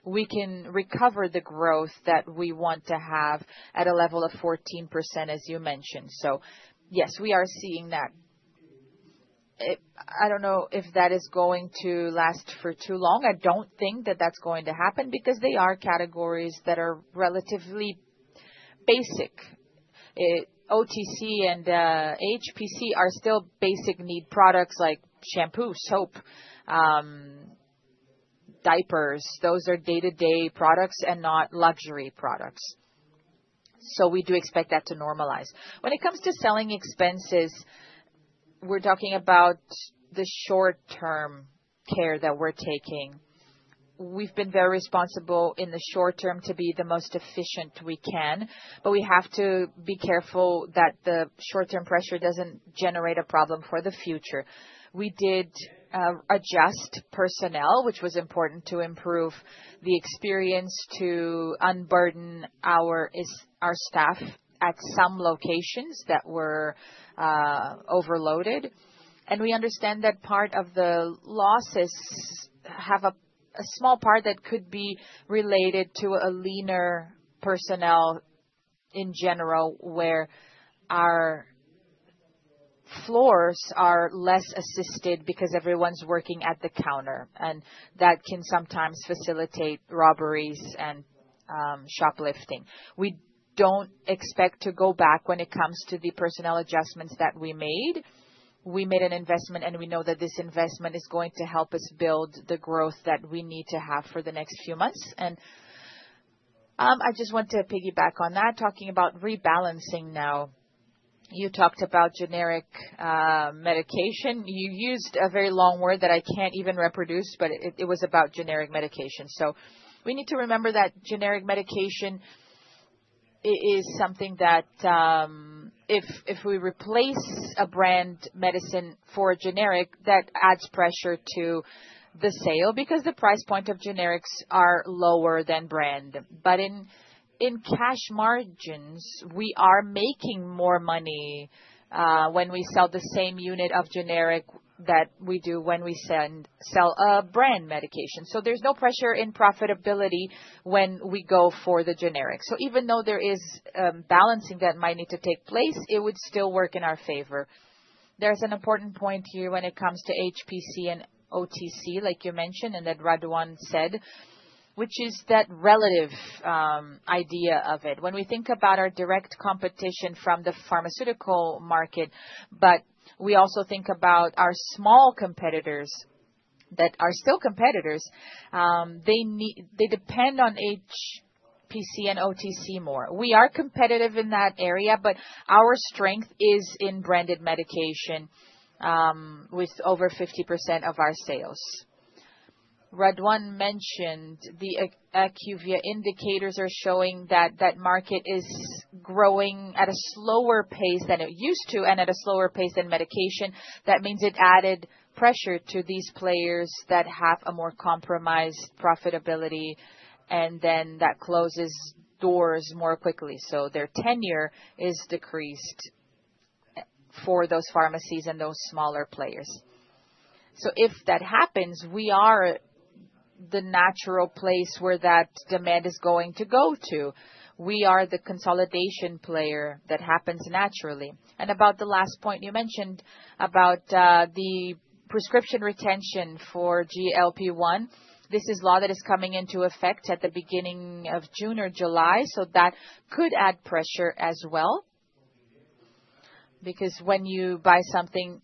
we can recover the growth that we want to have at a level of 14%, as you mentioned. Yes, we are seeing that. I do not know if that is going to last for too long. I do not think that is going to happen because they are categories that are relatively basic. OTC and HPC are still basic need products like shampoo, soap, diapers. Those are day-to-day products and not luxury products. We do expect that to normalize. When it comes to selling expenses, we're talking about the short-term care that we're taking. We've been very responsible in the short term to be the most efficient we can. We have to be careful that the short-term pressure doesn't generate a problem for the future. We did adjust personnel, which was important to improve the experience to unburden our staff at some locations that were overloaded. We understand that part of the losses have a small part that could be related to a leaner personnel in general, where our floors are less assisted because everyone's working at the counter. That can sometimes facilitate robberies and shoplifting. We don't expect to go back when it comes to the personnel adjustments that we made. We made an investment, and we know that this investment is going to help us build the growth that we need to have for the next few months. I just want to piggyback on that, talking about rebalancing now. You talked about generic medication. You used a very long word that I can't even reproduce, but it was about generic medication. We need to remember that generic medication is something that if we replace a brand medicine for a generic, that adds pressure to the sale because the price point of generics are lower than brand. In cash margins, we are making more money when we sell the same unit of generic that we do when we sell a brand medication. There is no pressure in profitability when we go for the generic. Even though there is balancing that might need to take place, it would still work in our favor. There is an important point here when it comes to HPC and OTC, like you mentioned and that Raduan said, which is that relative idea of it. When we think about our direct competition from the pharmaceutical market, but we also think about our small competitors that are still competitors, they depend on HPC and OTC more. We are competitive in that area, but our strength is in branded medication with over 50% of our sales. Raduan mentioned the IQVIA indicators are showing that that market is growing at a slower pace than it used to and at a slower pace than medication. That means it added pressure to these players that have a more compromised profitability, and then that closes doors more quickly. Their tenure is decreased for those pharmacies and those smaller players. If that happens, we are the natural place where that demand is going to go to. We are the consolidation player that happens naturally. About the last point you mentioned about the prescription retention for GLP-1, this is law that is coming into effect at the beginning of June or July. That could add pressure as well because when you buy something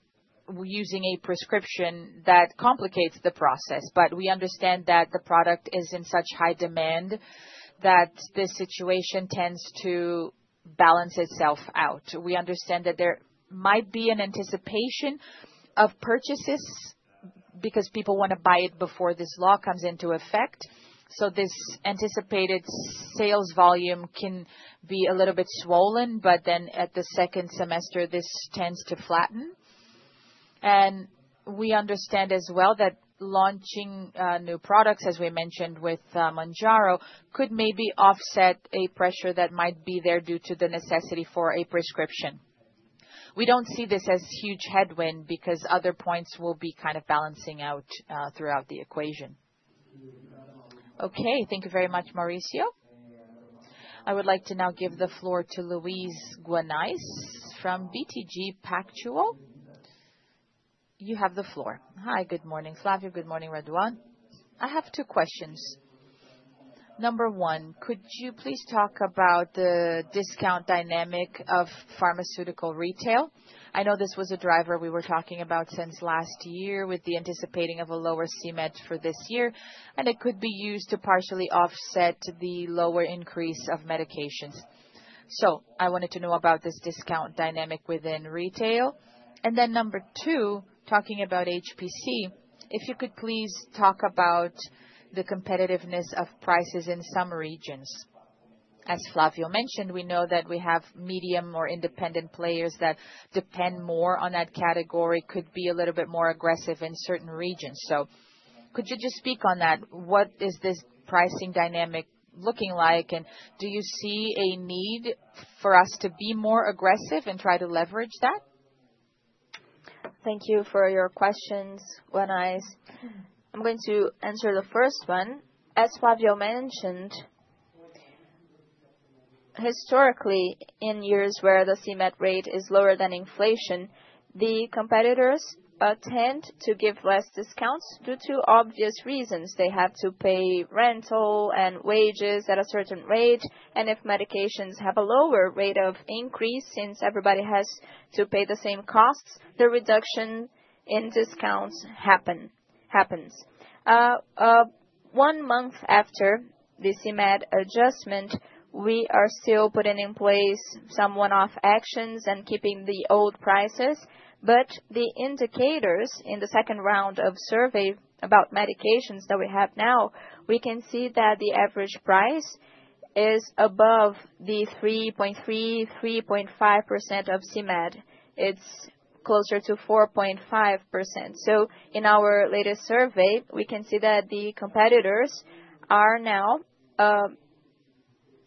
using a prescription, that complicates the process. We understand that the product is in such high demand that this situation tends to balance itself out. We understand that there might be an anticipation of purchases because people want to buy it before this law comes into effect. This anticipated sales volume can be a little bit swollen, but then at the second semester, this tends to flatten. We understand as well that launching new products, as we mentioned with Mounjaro, could maybe offset a pressure that might be there due to the necessity for a prescription. We do not see this as a huge headwind because other points will be kind of balancing out throughout the equation. Okay. Thank you very much, Mauricio. I would like to now give the floor to Luiz Guanais from BTG Pactual. You have the floor. Hi, good morning, Flavio. Good morning, Raduan. I have two questions. Number one, could you please talk about the discount dynamic of pharmaceutical retail? I know this was a driver we were talking about since last year with the anticipating of a lower CMED for this year, and it could be used to partially offset the lower increase of medications. I wanted to know about this discount dynamic within retail. Number two, talking about HPC, if you could please talk about the competitiveness of prices in some regions. As Flavio mentioned, we know that we have medium or independent players that depend more on that category, could be a little bit more aggressive in certain regions. Could you just speak on that? What is this pricing dynamic looking like? Do you see a need for us to be more aggressive and try to leverage that? Thank you for your questions, Guanais. I'm going to answer the first one. As Flavio mentioned, historically, in years where the CMED rate is lower than inflation, the competitors tend to give less discounts due to obvious reasons. They have to pay rental and wages at a certain rate. If medications have a lower rate of increase since everybody has to pay the same costs, the reduction in discounts happens. One month after the CMED adjustment, we are still putting in place some one-off actions and keeping the old prices. The indicators in the second round of survey about medications that we have now, we can see that the average price is above the 3.3%-3.5% of CMED. It is closer to 4.5%. In our latest survey, we can see that the competitors are now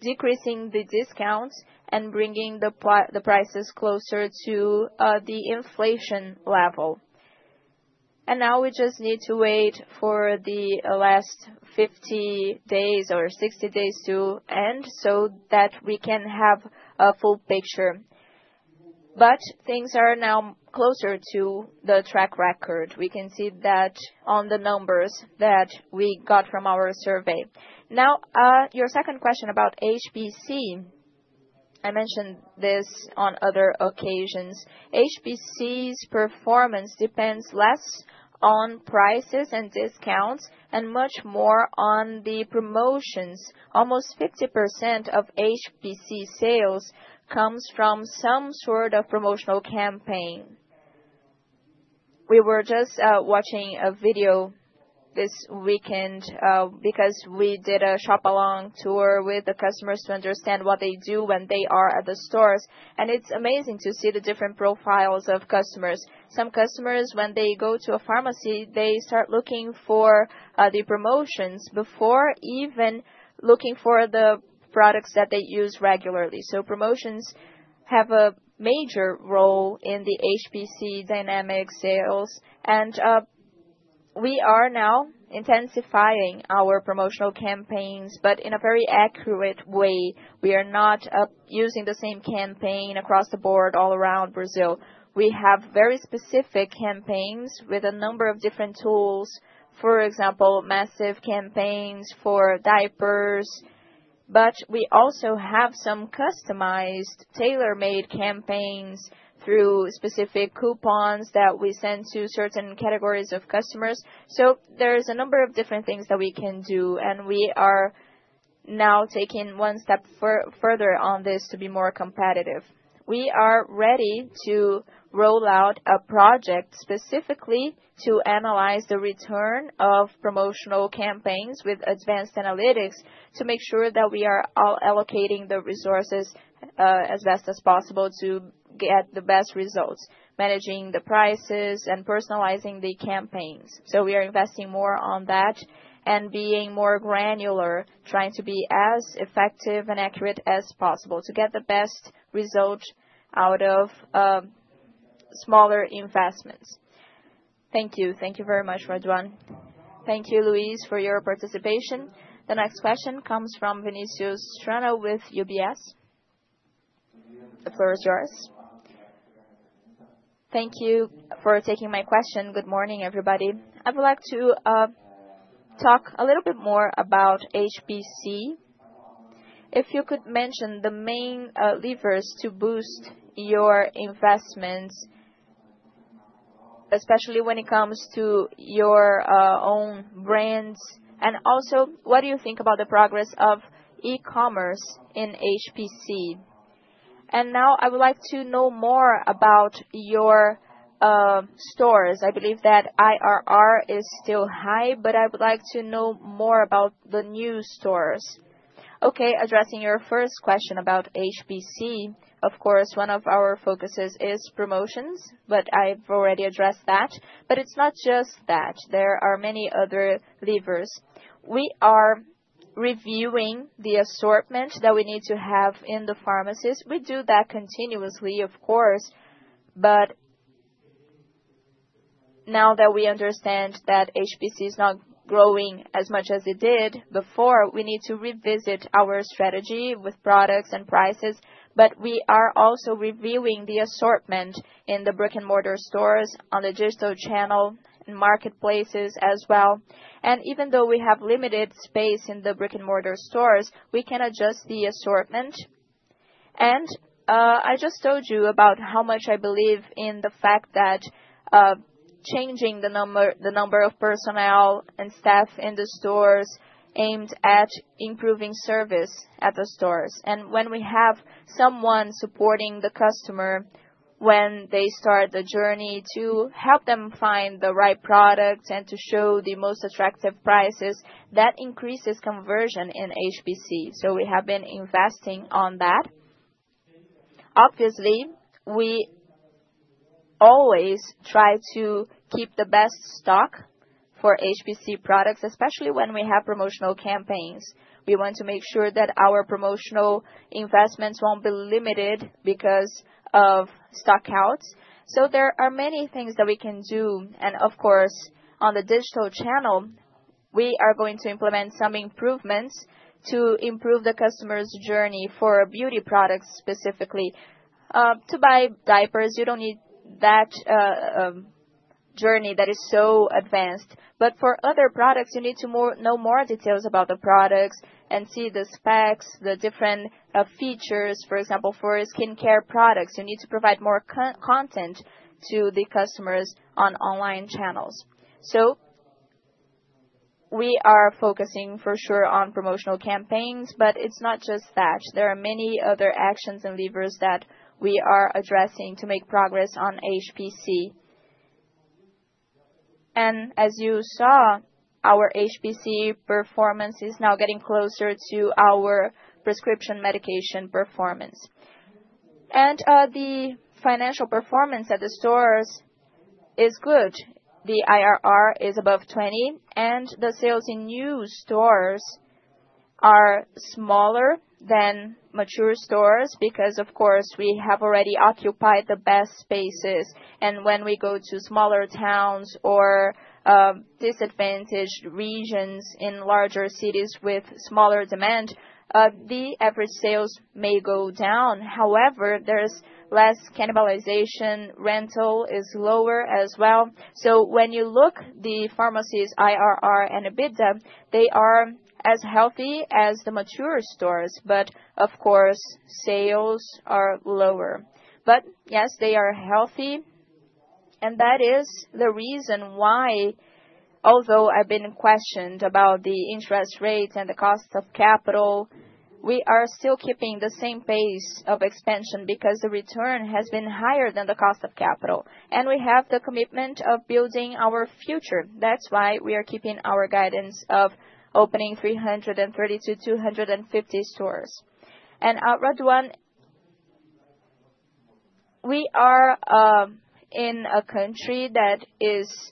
decreasing the discounts and bringing the prices closer to the inflation level. We just need to wait for the last 50-60 days to end so that we can have a full picture. Things are now closer to the track record. We can see that on the numbers that we got from our survey. Your second question about HPC, I mentioned this on other occasions. HPC's performance depends less on prices and discounts and much more on the promotions. Almost 50% of HPC sales comes from some sort of promotional campaign. We were just watching a video this weekend because we did a shop-along tour with the customers to understand what they do when they are at the stores. It is amazing to see the different profiles of customers. Some customers, when they go to a pharmacy, they start looking for the promotions before even looking for the products that they use regularly. Promotions have a major role in the HPC dynamic sales. We are now intensifying our promotional campaigns, but in a very accurate way. We are not using the same campaign across the board all around Brazil. We have very specific campaigns with a number of different tools, for example, massive campaigns for diapers. We also have some customized, tailor-made campaigns through specific coupons that we send to certain categories of customers. There are a number of different things that we can do. We are now taking one step further on this to be more competitive. We are ready to roll out a project specifically to analyze the return of promotional campaigns with advanced analytics to make sure that we are allocating the resources as best as possible to get the best results, managing the prices and personalizing the campaigns. We are investing more on that and being more granular, trying to be as effective and accurate as possible to get the best result out of smaller investments. Thank you. Thank you very much, Raduan. Thank you, Luis, for your participation. The next question comes from Vinicius Strano with UBS. The floor is yours. Thank you for taking my question. Good morning, everybody. I would like to talk a little bit more about HPC. If you could mention the main levers to boost your investments, especially when it comes to your own brands, and also, what do you think about the progress of e-commerce in HPC? Now I would like to know more about your stores. I believe that IRR is still high, but I would like to know more about the new stores. Okay, addressing your first question about HPC, of course, one of our focuses is promotions, but I've already addressed that. It's not just that. There are many other levers. We are reviewing the assortment that we need to have in the pharmacies. We do that continuously, of course. Now that we understand that HPC is not growing as much as it did before, we need to revisit our strategy with products and prices. We are also reviewing the assortment in the brick-and-mortar stores, on the digital channel, and marketplaces as well. Even though we have limited space in the brick-and-mortar stores, we can adjust the assortment. I just told you about how much I believe in the fact that changing the number of personnel and staff in the stores is aimed at improving service at the stores. When we have someone supporting the customer when they start the journey to help them find the right products and to show the most attractive prices, that increases conversion in HPC. We have been investing on that. Obviously, we always try to keep the best stock for HPC products, especially when we have promotional campaigns. We want to make sure that our promotional investments will not be limited because of stockouts. There are many things that we can do. Of course, on the digital channel, we are going to implement some improvements to improve the customer's journey for beauty products specifically. To buy diapers, you do not need that journey that is so advanced. For other products, you need to know more details about the products and see the specs, the different features. For example, for skincare products, you need to provide more content to the customers on online channels. We are focusing for sure on promotional campaigns, but it is not just that. There are many other actions and levers that we are addressing to make progress on HPC. As you saw, our HPC performance is now getting closer to our prescription medication performance. The financial performance at the stores is good. The IRR is above 20, and the sales in new stores are smaller than mature stores because, of course, we have already occupied the best spaces. When we go to smaller towns or disadvantaged regions in larger cities with smaller demand, the average sales may go down. However, there's less cannibalization. Rental is lower as well. When you look at the pharmacies' IRR and EBITDA, they are as healthy as the mature stores, but, of course, sales are lower. Yes, they are healthy. That is the reason why, although I've been questioned about the interest rate and the cost of capital, we are still keeping the same pace of expansion because the return has been higher than the cost of capital. We have the commitment of building our future. That's why we are keeping our guidance of opening 330 to 250 stores. Raduan, we are in a country that is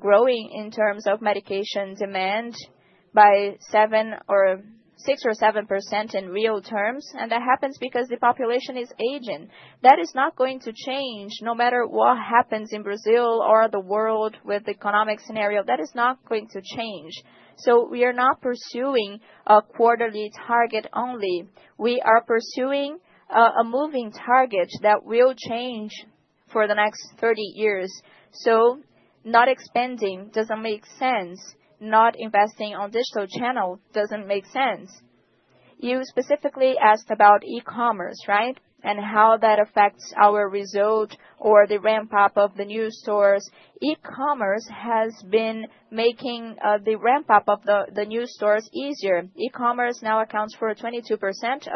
growing in terms of medication demand by 6% or 7% in real terms. That happens because the population is aging. That is not going to change no matter what happens in Brazil or the world with the economic scenario. That is not going to change. We are not pursuing a quarterly target only. We are pursuing a moving target that will change for the next 30 years. Not expanding does not make sense. Not investing on digital channel does not make sense. You specifically asked about e-commerce, right, and how that affects our result or the ramp-up of the new stores. E-commerce has been making the ramp-up of the new stores easier. E-commerce now accounts for 22%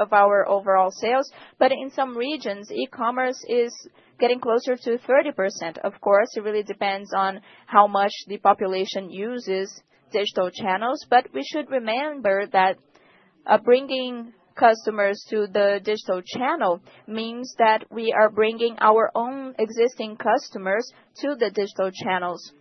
of our overall sales. In some regions, e-commerce is getting closer to 30%. Of course, it really depends on how much the population uses digital channels. We should remember that bringing customers to the digital channel means that we are bringing our own existing customers to the digital channels.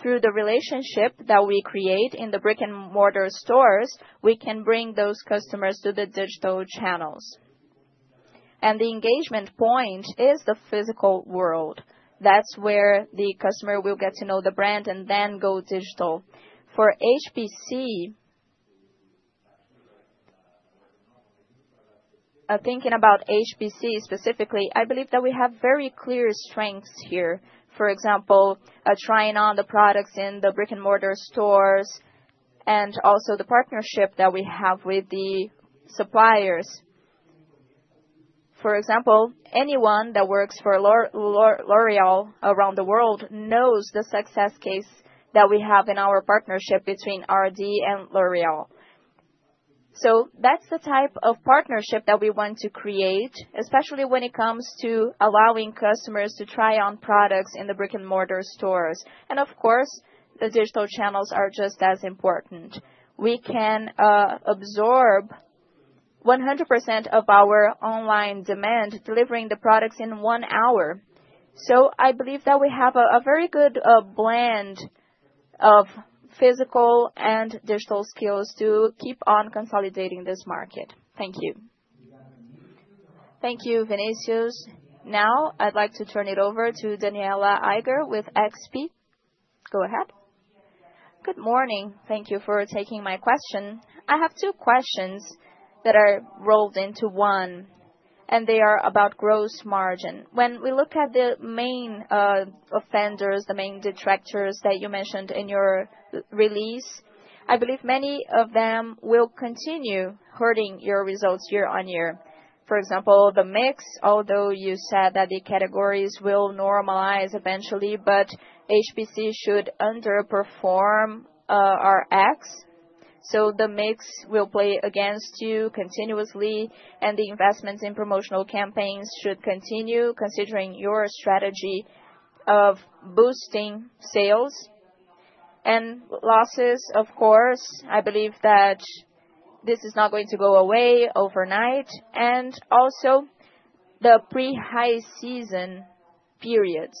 Through the relationship that we create in the brick-and-mortar stores, we can bring those customers to the digital channels. The engagement point is the physical world. That is where the customer will get to know the brand and then go digital. For HPC, thinking about HPC specifically, I believe that we have very clear strengths here. For example, trying on the products in the brick-and-mortar stores and also the partnership that we have with the suppliers. For example, anyone that works for L'Oréal around the world knows the success case that we have in our partnership between RD and L'Oréal. That is the type of partnership that we want to create, especially when it comes to allowing customers to try on products in the brick-and-mortar stores. Of course, the digital channels are just as important. We can absorb 100% of our online demand, delivering the products in one hour. I believe that we have a very good blend of physical and digital skills to keep on consolidating this market. Thank you. Thank you, Vinicius. Now, I'd like to turn it over to Danniela Eiger with XP. Go ahead. Good morning. Thank you for taking my question. I have two questions that are rolled into one, and they are about gross margin. When we look at the main offenders, the main detractors that you mentioned in your release, I believe many of them will continue hurting your results year on year. For example, the mix, although you said that the categories will normalize eventually, but HPC should underperform RX. The mix will play against you continuously, and the investments in promotional campaigns should continue considering your strategy of boosting sales and losses. Of course, I believe that this is not going to go away overnight. Also, the pre-high season periods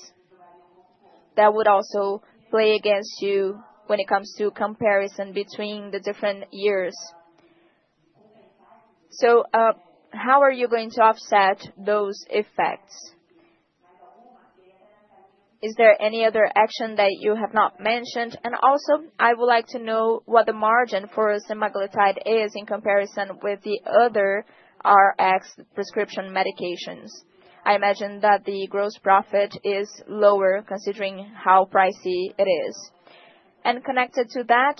would also play against you when it comes to comparison between the different years. How are you going to offset those effects? Is there any other action that you have not mentioned? I would like to know what the margin for semaglutide is in comparison with the other RX prescription medications. I imagine that the gross profit is lower considering how pricey it is. Connected to that,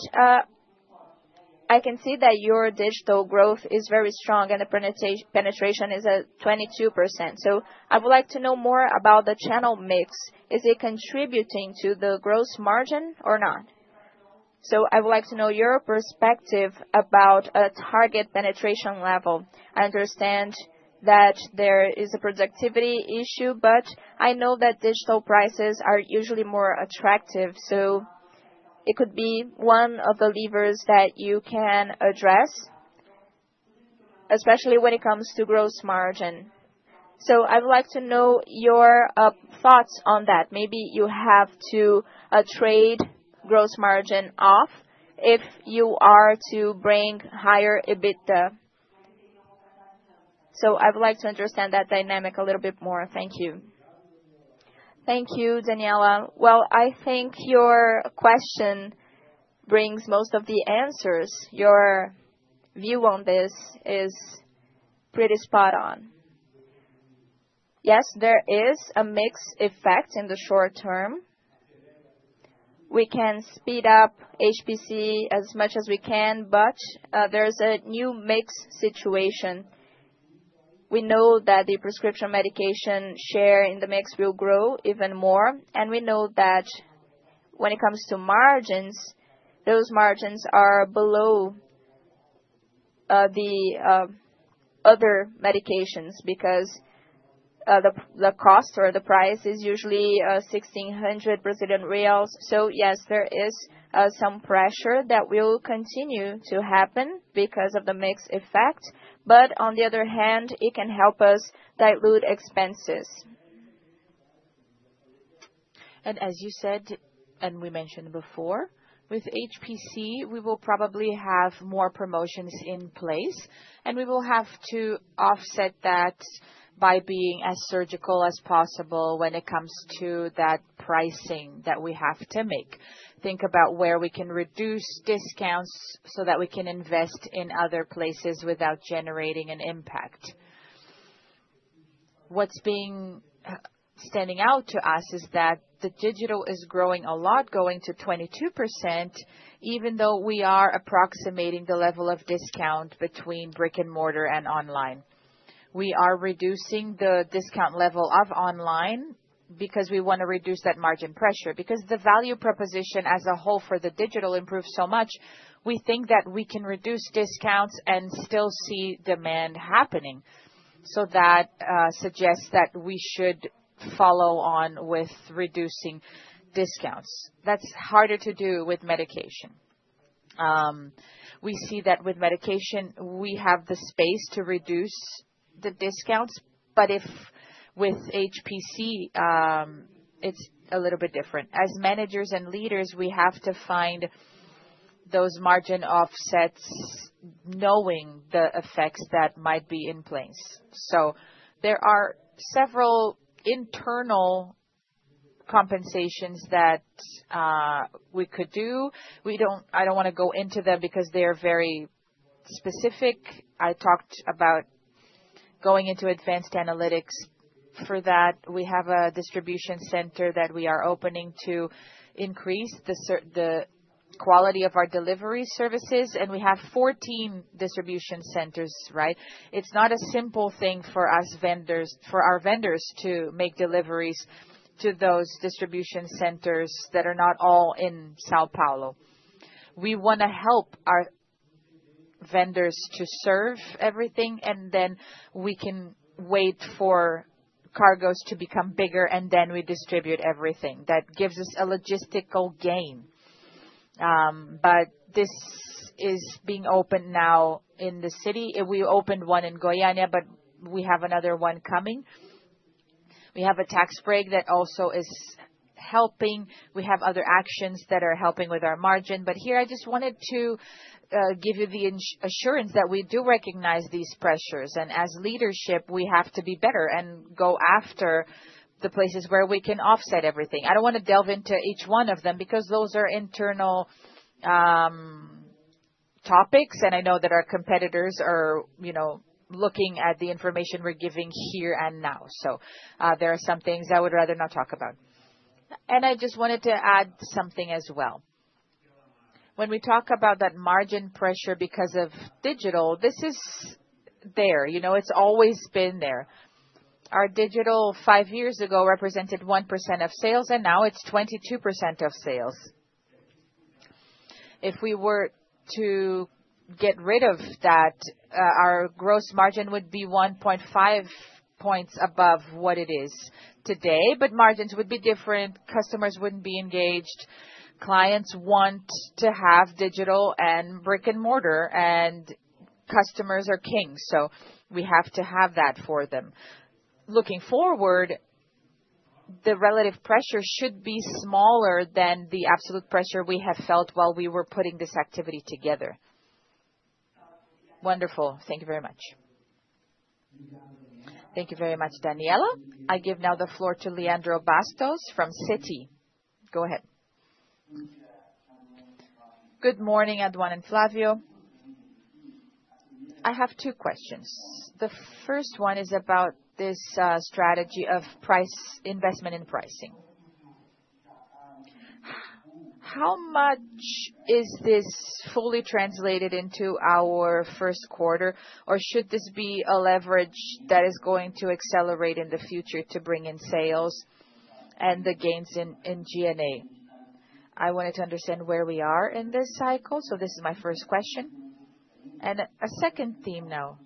I can see that your digital growth is very strong, and the penetration is at 22%. I would like to know more about the channel mix. Is it contributing to the gross margin or not? I would like to know your perspective about a target penetration level. I understand that there is a productivity issue, but I know that digital prices are usually more attractive. It could be one of the levers that you can address, especially when it comes to gross margin. I would like to know your thoughts on that. Maybe you have to trade gross margin off if you are to bring higher EBITDA. I would like to understand that dynamic a little bit more. Thank you. Thank you, Danniela. I think your question brings most of the answers. Your view on this is pretty spot on. Yes, there is a mixed effect in the short term. We can speed up HPC as much as we can, but there is a new mix situation. We know that the prescription medication share in the mix will grow even more. We know that when it comes to margins, those margins are below the other medications because the cost or the price is usually 1,600 Brazilian reais. Yes, there is some pressure that will continue to happen because of the mix effect. On the other hand, it can help us dilute expenses. As you said, and we mentioned before, with HPC, we will probably have more promotions in place, and we will have to offset that by being as surgical as possible when it comes to that pricing that we have to make. Think about where we can reduce discounts so that we can invest in other places without generating an impact. What's being standing out to us is that the digital is growing a lot, going to 22%, even though we are approximating the level of discount between brick-and-mortar and online. We are reducing the discount level of online because we want to reduce that margin pressure. Because the value proposition as a whole for the digital improves so much, we think that we can reduce discounts and still see demand happening. That suggests that we should follow on with reducing discounts. That's harder to do with medication. We see that with medication, we have the space to reduce the discounts. With HPC, it's a little bit different. As managers and leaders, we have to find those margin offsets knowing the effects that might be in place. There are several internal compensations that we could do. I don't want to go into them because they are very specific. I talked about going into advanced analytics. For that, we have a distribution center that we are opening to increase the quality of our delivery services. We have 14 distribution centers, right? It is not a simple thing for our vendors to make deliveries to those distribution centers that are not all in São Paulo. We want to help our vendors to serve everything, and then we can wait for cargos to become bigger, and then we distribute everything. That gives us a logistical gain. This is being opened now in the city. We opened one in Goiânia, but we have another one coming. We have a tax break that also is helping. We have other actions that are helping with our margin. Here, I just wanted to give you the assurance that we do recognize these pressures. As leadership, we have to be better and go after the places where we can offset everything. I do not want to delve into each one of them because those are internal topics, and I know that our competitors are looking at the information we are giving here and now. There are some things I would rather not talk about. I just wanted to add something as well. When we talk about that margin pressure because of digital, this is there. It has always been there. Our digital five years ago represented 1% of sales, and now it is 22% of sales. If we were to get rid of that, our gross margin would be 1.5 points above what it is today, but margins would be different. Customers would not be engaged. Clients want to have digital and brick-and-mortar, and customers are kings. We have to have that for them. Looking forward, the relative pressure should be smaller than the absolute pressure we have felt while we were putting this activity together. Wonderful. Thank you very much. Thank you very much, Daniela. I give now the floor to Leandro Bastos from Citi. Go ahead. Good morning, Renato and Flavio. I have two questions. The first one is about this strategy of investment in pricing. How much is this fully translated into our first quarter, or should this be a leverage that is going to accelerate in the future to bring in sales and the gains in G&A? I wanted to understand where we are in this cycle. This is my first question. A second theme now.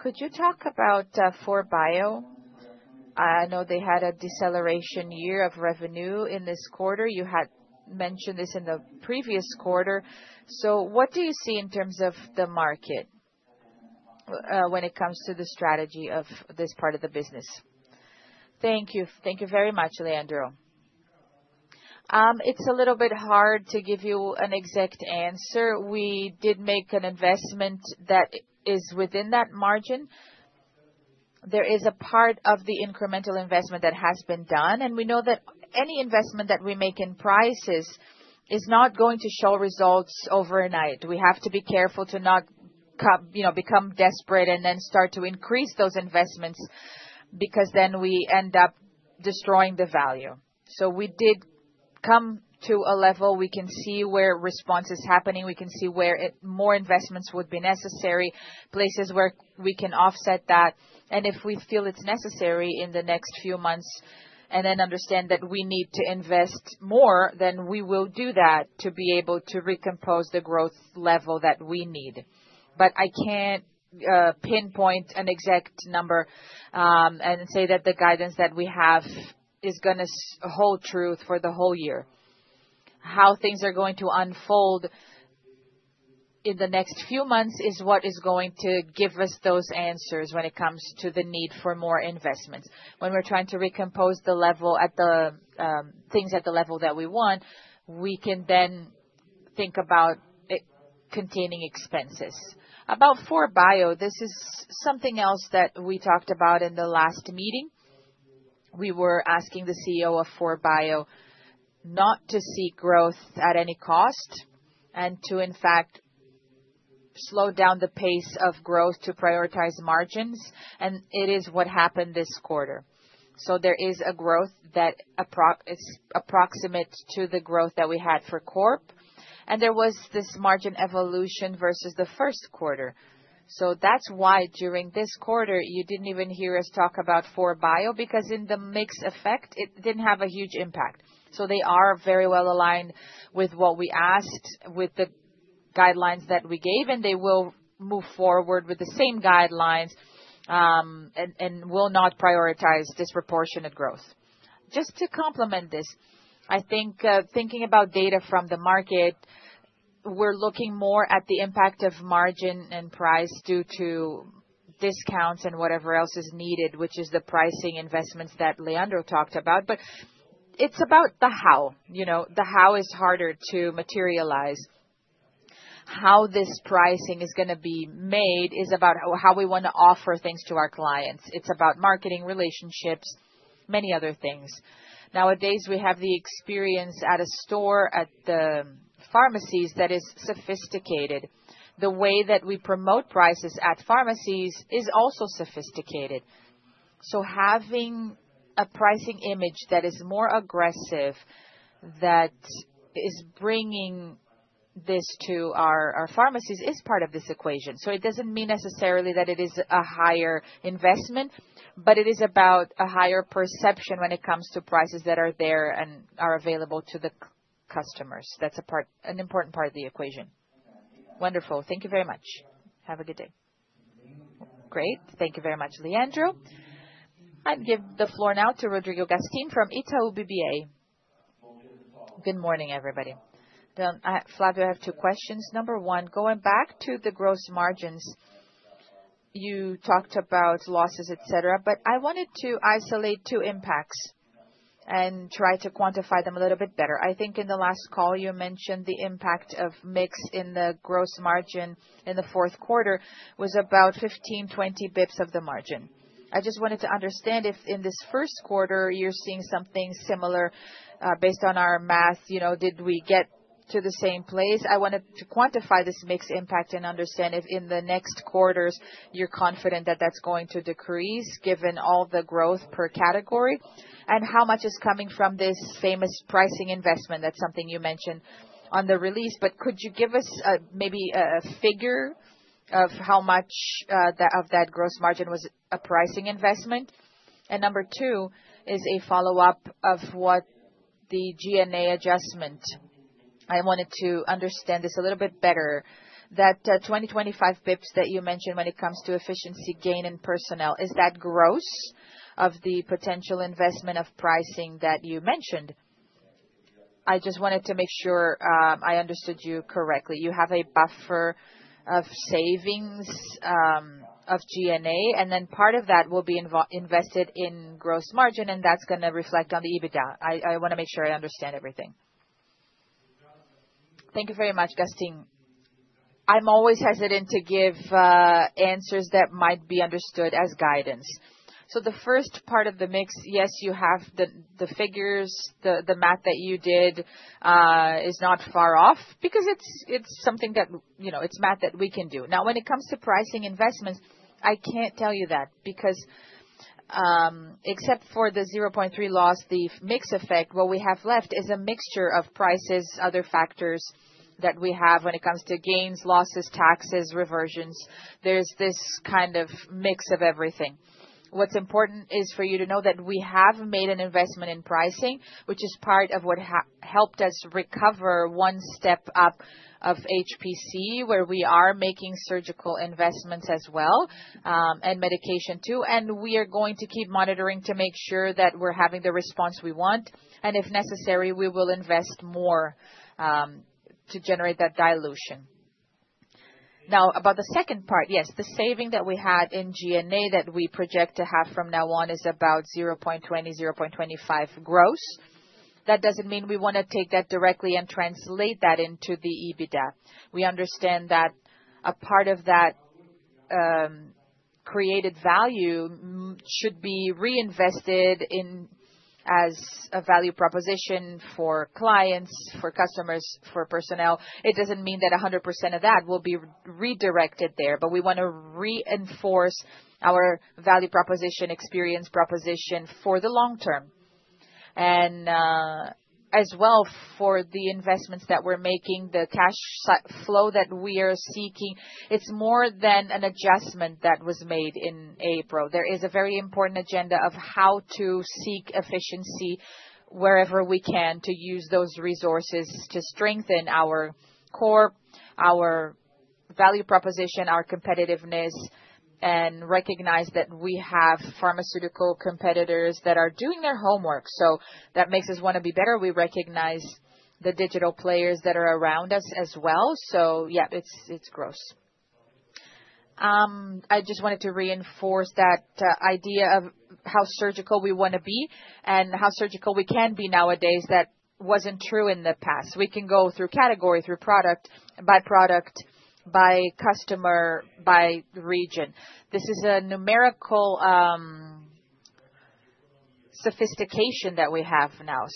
Could you talk about 4Bio? I know they had a deceleration year of revenue in this quarter. You had mentioned this in the previous quarter. What do you see in terms of the market when it comes to the strategy of this part of the business? Thank you. Thank you very much, Leandro. It's a little bit hard to give you an exact answer. We did make an investment that is within that margin. There is a part of the incremental investment that has been done. We know that any investment that we make in prices is not going to show results overnight. We have to be careful to not become desperate and then start to increase those investments because then we end up destroying the value. We did come to a level we can see where response is happening. We can see where more investments would be necessary, places where we can offset that. If we feel it's necessary in the next few months and then understand that we need to invest more, we will do that to be able to recompose the growth level that we need. I can't pinpoint an exact number and say that the guidance that we have is going to hold truth for the whole year. How things are going to unfold in the next few months is what is going to give us those answers when it comes to the need for more investments. When we're trying to recompose the level at the things at the level that we want, we can then think about containing expenses. About 4Bio, this is something else that we talked about in the last meeting. We were asking the CEO of 4Bio not to seek growth at any cost and to, in fact, slow down the pace of growth to prioritize margins. It is what happened this quarter. There is a growth that is approximate to the growth that we had for Corp. There was this margin evolution versus the first quarter. That is why during this quarter, you did not even hear us talk about 4Bio because in the mixed effect, it did not have a huge impact. They are very well aligned with what we asked, with the guidelines that we gave, and they will move forward with the same guidelines and will not prioritize disproportionate growth. Just to complement this, I think thinking about data from the market, we're looking more at the impact of margin and price due to discounts and whatever else is needed, which is the pricing investments that Leandro talked about. It is about the how. The how is harder to materialize. How this pricing is going to be made is about how we want to offer things to our clients. It is about marketing relationships, many other things. Nowadays, we have the experience at a store at the pharmacies that is sophisticated. The way that we promote prices at pharmacies is also sophisticated. Having a pricing image that is more aggressive, that is bringing this to our pharmacies is part of this equation. It does not mean necessarily that it is a higher investment, but it is about a higher perception when it comes to prices that are there and are available to the customers. That is an important part of the equation. Wonderful. Thank you very much. Have a good day. Great. Thank you very much, Leandro. I would give the floor now to Rodrigo Gastim from Itaú BBA. Good morning, everybody. Flavio, I have two questions. Number one, going back to the gross margins, you talked about losses, etc., but I wanted to isolate two impacts and try to quantify them a little bit better. I think in the last call, you mentioned the impact of mix in the gross margin in the fourth quarter was about 15-20 bps of the margin. I just wanted to understand if in this first quarter, you are seeing something similar based on our math. Did we get to the same place? I wanted to quantify this mixed impact and understand if in the next quarters, you're confident that that's going to decrease given all the growth per category and how much is coming from this famous pricing investment. That's something you mentioned on the release. Could you give us maybe a figure of how much of that gross margin was a pricing investment? Number two is a follow-up of what the G&A adjustment. I wanted to understand this a little bit better. That 2025 bps that you mentioned when it comes to efficiency gain in personnel, is that gross of the potential investment of pricing that you mentioned? I just wanted to make sure I understood you correctly. You have a buffer of savings of G&A, and then part of that will be invested in gross margin, and that's going to reflect on the EBITDA. I want to make sure I understand everything. Thank you very much, Gastim. I'm always hesitant to give answers that might be understood as guidance. The first part of the mix, yes, you have the figures. The math that you did is not far off because it's something that it's math that we can do. Now, when it comes to pricing investments, I can't tell you that because except for the 0.3 loss, the mixed effect, what we have left is a mixture of prices, other factors that we have when it comes to gains, losses, taxes, reversions. There's this kind of mix of everything. What's important is for you to know that we have made an investment in pricing, which is part of what helped us recover one step up of HPC, where we are making surgical investments as well and medication too. We are going to keep monitoring to make sure that we're having the response we want. If necessary, we will invest more to generate that dilution. Now, about the second part, yes, the saving that we had in G&A that we project to have from now on is about 0.20-0.25 gross. That does not mean we want to take that directly and translate that into the EBITDA. We understand that a part of that created value should be reinvested as a value proposition for clients, for customers, for personnel. It does not mean that 100% of that will be redirected there, but we want to reinforce our value proposition, experience proposition for the long term. As well, for the investments that we are making, the cash flow that we are seeking, it is more than an adjustment that was made in April. There is a very important agenda of how to seek efficiency wherever we can to use those resources to strengthen our core, our value proposition, our competitiveness, and recognize that we have pharmaceutical competitors that are doing their homework. That makes us want to be better. We recognize the digital players that are around us as well. Yeah, it is gross. I just wanted to reinforce that idea of how surgical we want to be and how surgical we can be nowadays. That was not true in the past. We can go through category, through product, by product, by customer, by region. This is a numerical sophistication that we have now.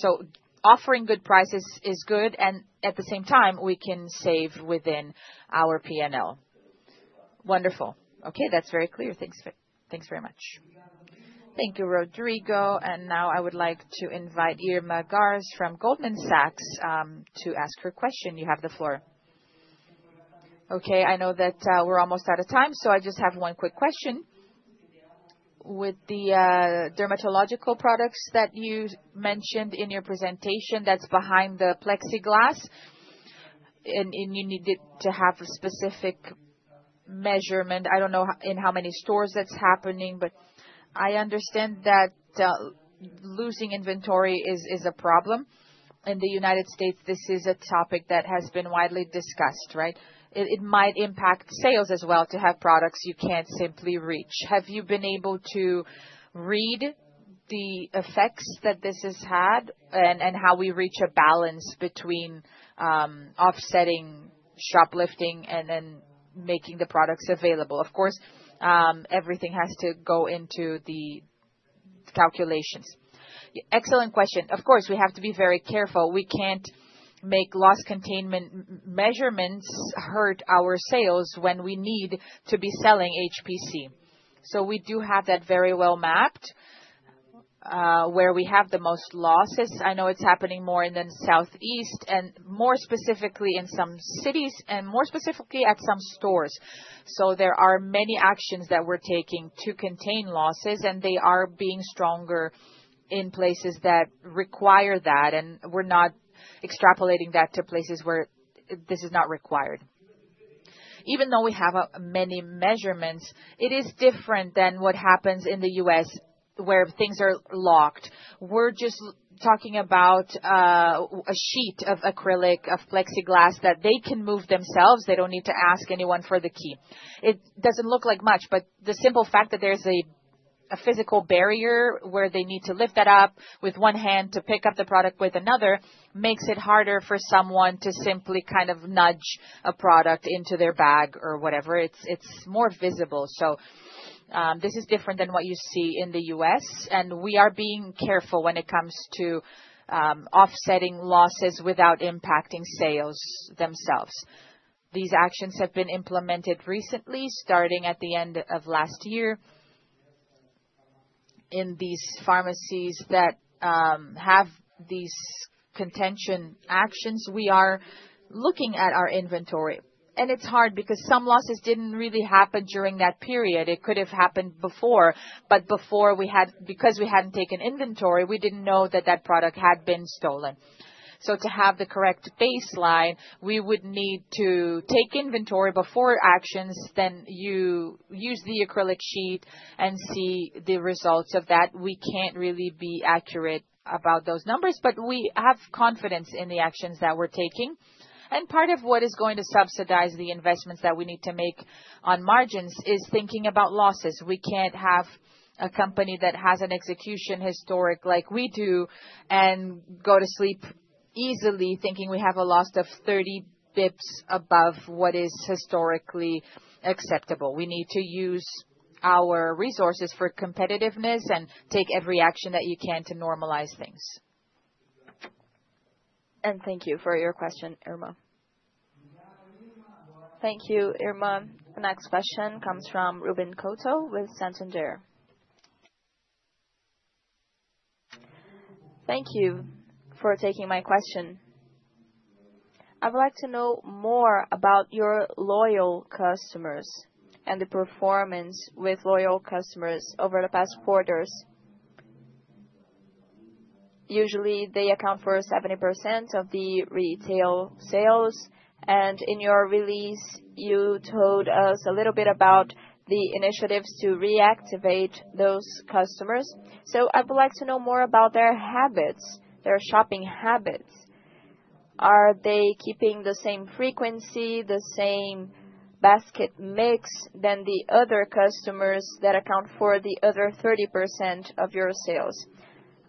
Offering good prices is good, and at the same time, we can save within our P&L. Wonderful. Okay. That is very clear. Thanks very much. Thank you, Rodrigo. Now I would like to invite Irma Sgarz from Goldman Sachs to ask her question. You have the floor. Okay. I know that we are almost out of time, so I just have one quick question. With the dermatological products that you mentioned in your presentation that are behind the plexiglass, and you needed to have a specific measurement. I do not know in how many stores that is happening, but I understand that losing inventory is a problem. In the United States, this is a topic that has been widely discussed, right? It might impact sales as well to have products you can't simply reach. Have you been able to read the effects that this has had and how we reach a balance between offsetting, shoplifting, and then making the products available? Of course, everything has to go into the calculations. Excellent question. Of course, we have to be very careful. We can't make loss containment measurements hurt our sales when we need to be selling HPC. We do have that very well mapped where we have the most losses. I know it's happening more in the Southeast and more specifically in some cities and more specifically at some stores. There are many actions that we're taking to contain losses, and they are being stronger in places that require that. We're not extrapolating that to places where this is not required. Even though we have many measurements, it is different than what happens in the U.S. where things are locked. We're just talking about a sheet of acrylic, of plexiglass that they can move themselves. They don't need to ask anyone for the key. It doesn't look like much, but the simple fact that there's a physical barrier where they need to lift that up with one hand to pick up the product with another makes it harder for someone to simply kind of nudge a product into their bag or whatever. It's more visible. This is different than what you see in the U.S. We are being careful when it comes to offsetting losses without impacting sales themselves. These actions have been implemented recently, starting at the end of last year. In these pharmacies that have these contention actions, we are looking at our inventory. It is hard because some losses did not really happen during that period. It could have happened before. Before, because we had not taken inventory, we did not know that that product had been stolen. To have the correct baseline, we would need to take inventory before actions, then use the acrylic sheet and see the results of that. We cannot really be accurate about those numbers, but we have confidence in the actions that we are taking. Part of what is going to subsidize the investments that we need to make on margins is thinking about losses. We cannot have a company that has an execution historic like we do and go to sleep easily thinking we have a loss of 30 bps above what is historically acceptable. We need to use our resources for competitiveness and take every action that you can to normalize things. Thank you for your question, Irma. Thank you, Irma. The next question comes from Ruben Couto with Santander. Thank you for taking my question. I would like to know more about your loyal customers and the performance with loyal customers over the past quarters. Usually, they account for 70% of the retail sales. In your release, you told us a little bit about the initiatives to reactivate those customers. I would like to know more about their habits, their shopping habits. Are they keeping the same frequency, the same basket mix than the other customers that account for the other 30% of your sales?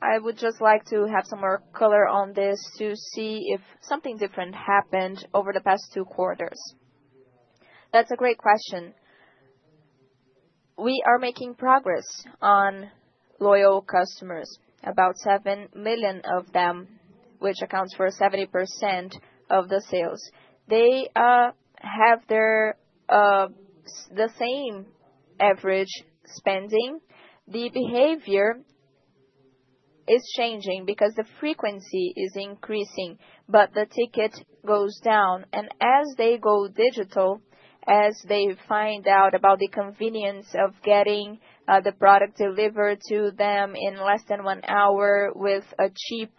I would just like to have some more color on this to see if something different happened over the past two quarters. That's a great question. We are making progress on loyal customers, about 7 million of them, which accounts for 70% of the sales. They have the same average spending. The behavior is changing because the frequency is increasing, but the ticket goes down. As they go digital, as they find out about the convenience of getting the product delivered to them in less than one hour with a cheap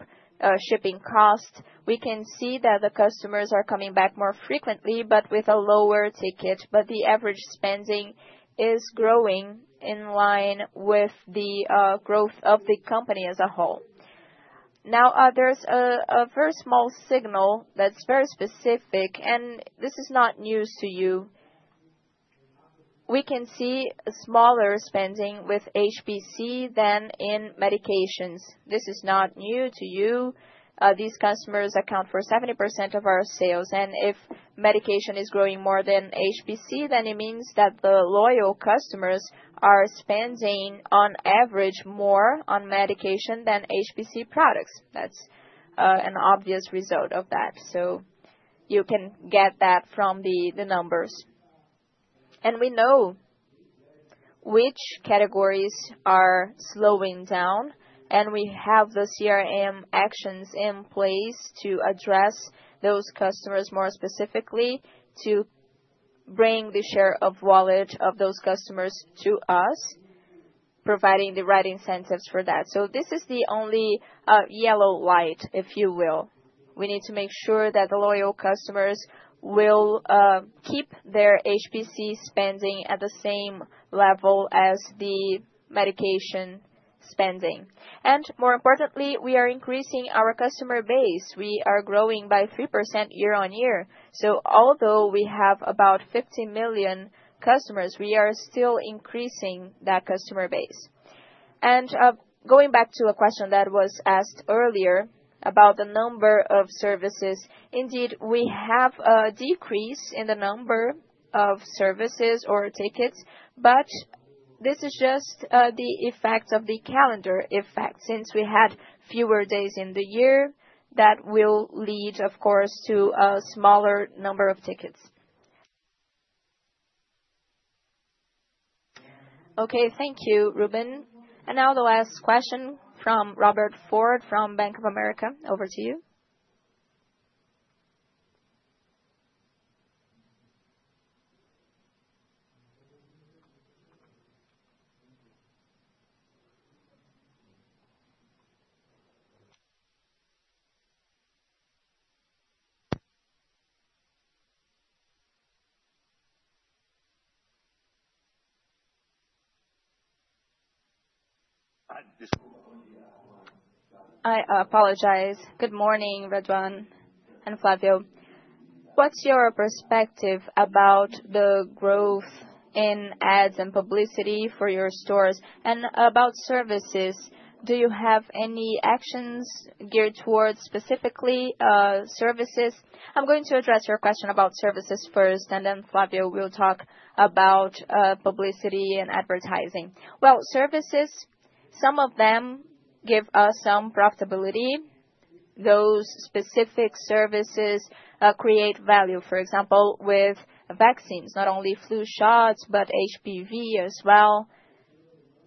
shipping cost, we can see that the customers are coming back more frequently, but with a lower ticket. The average spending is growing in line with the growth of the company as a whole. Now, there's a very small signal that's very specific, and this is not news to you. We can see smaller spending with HPC than in medications. This is not new to you. These customers account for 70% of our sales. If medication is growing more than HPC, then it means that the loyal customers are spending on average more on medication than HPC products. That is an obvious result of that. You can get that from the numbers. We know which categories are slowing down, and we have the CRM actions in place to address those customers more specifically to bring the share of wallet of those customers to us, providing the right incentives for that. This is the only yellow light, if you will. We need to make sure that the loyal customers will keep their HPC spending at the same level as the medication spending. More importantly, we are increasing our customer base. We are growing by 3% year on year. Although we have about 50 million customers, we are still increasing that customer base. Going back to a question that was asked earlier about the number of services, indeed, we have a decrease in the number of services or tickets, but this is just the effect of the calendar effect since we had fewer days in the year that will lead, of course, to a smaller number of tickets. Okay. Thank you, Ruben. Now the last question from Robert Ford from Bank of America. Over to you. I apologize. Good morning, Raduan and Flavio. What's your perspective about the growth in ads and publicity for your stores? About services, do you have any actions geared towards specifically services? I'm going to address your question about services first, and then Flavio will talk about publicity and advertising. Services, some of them give us some profitability. Those specific services create value. For example, with vaccines, not only flu shots, but HPV as well.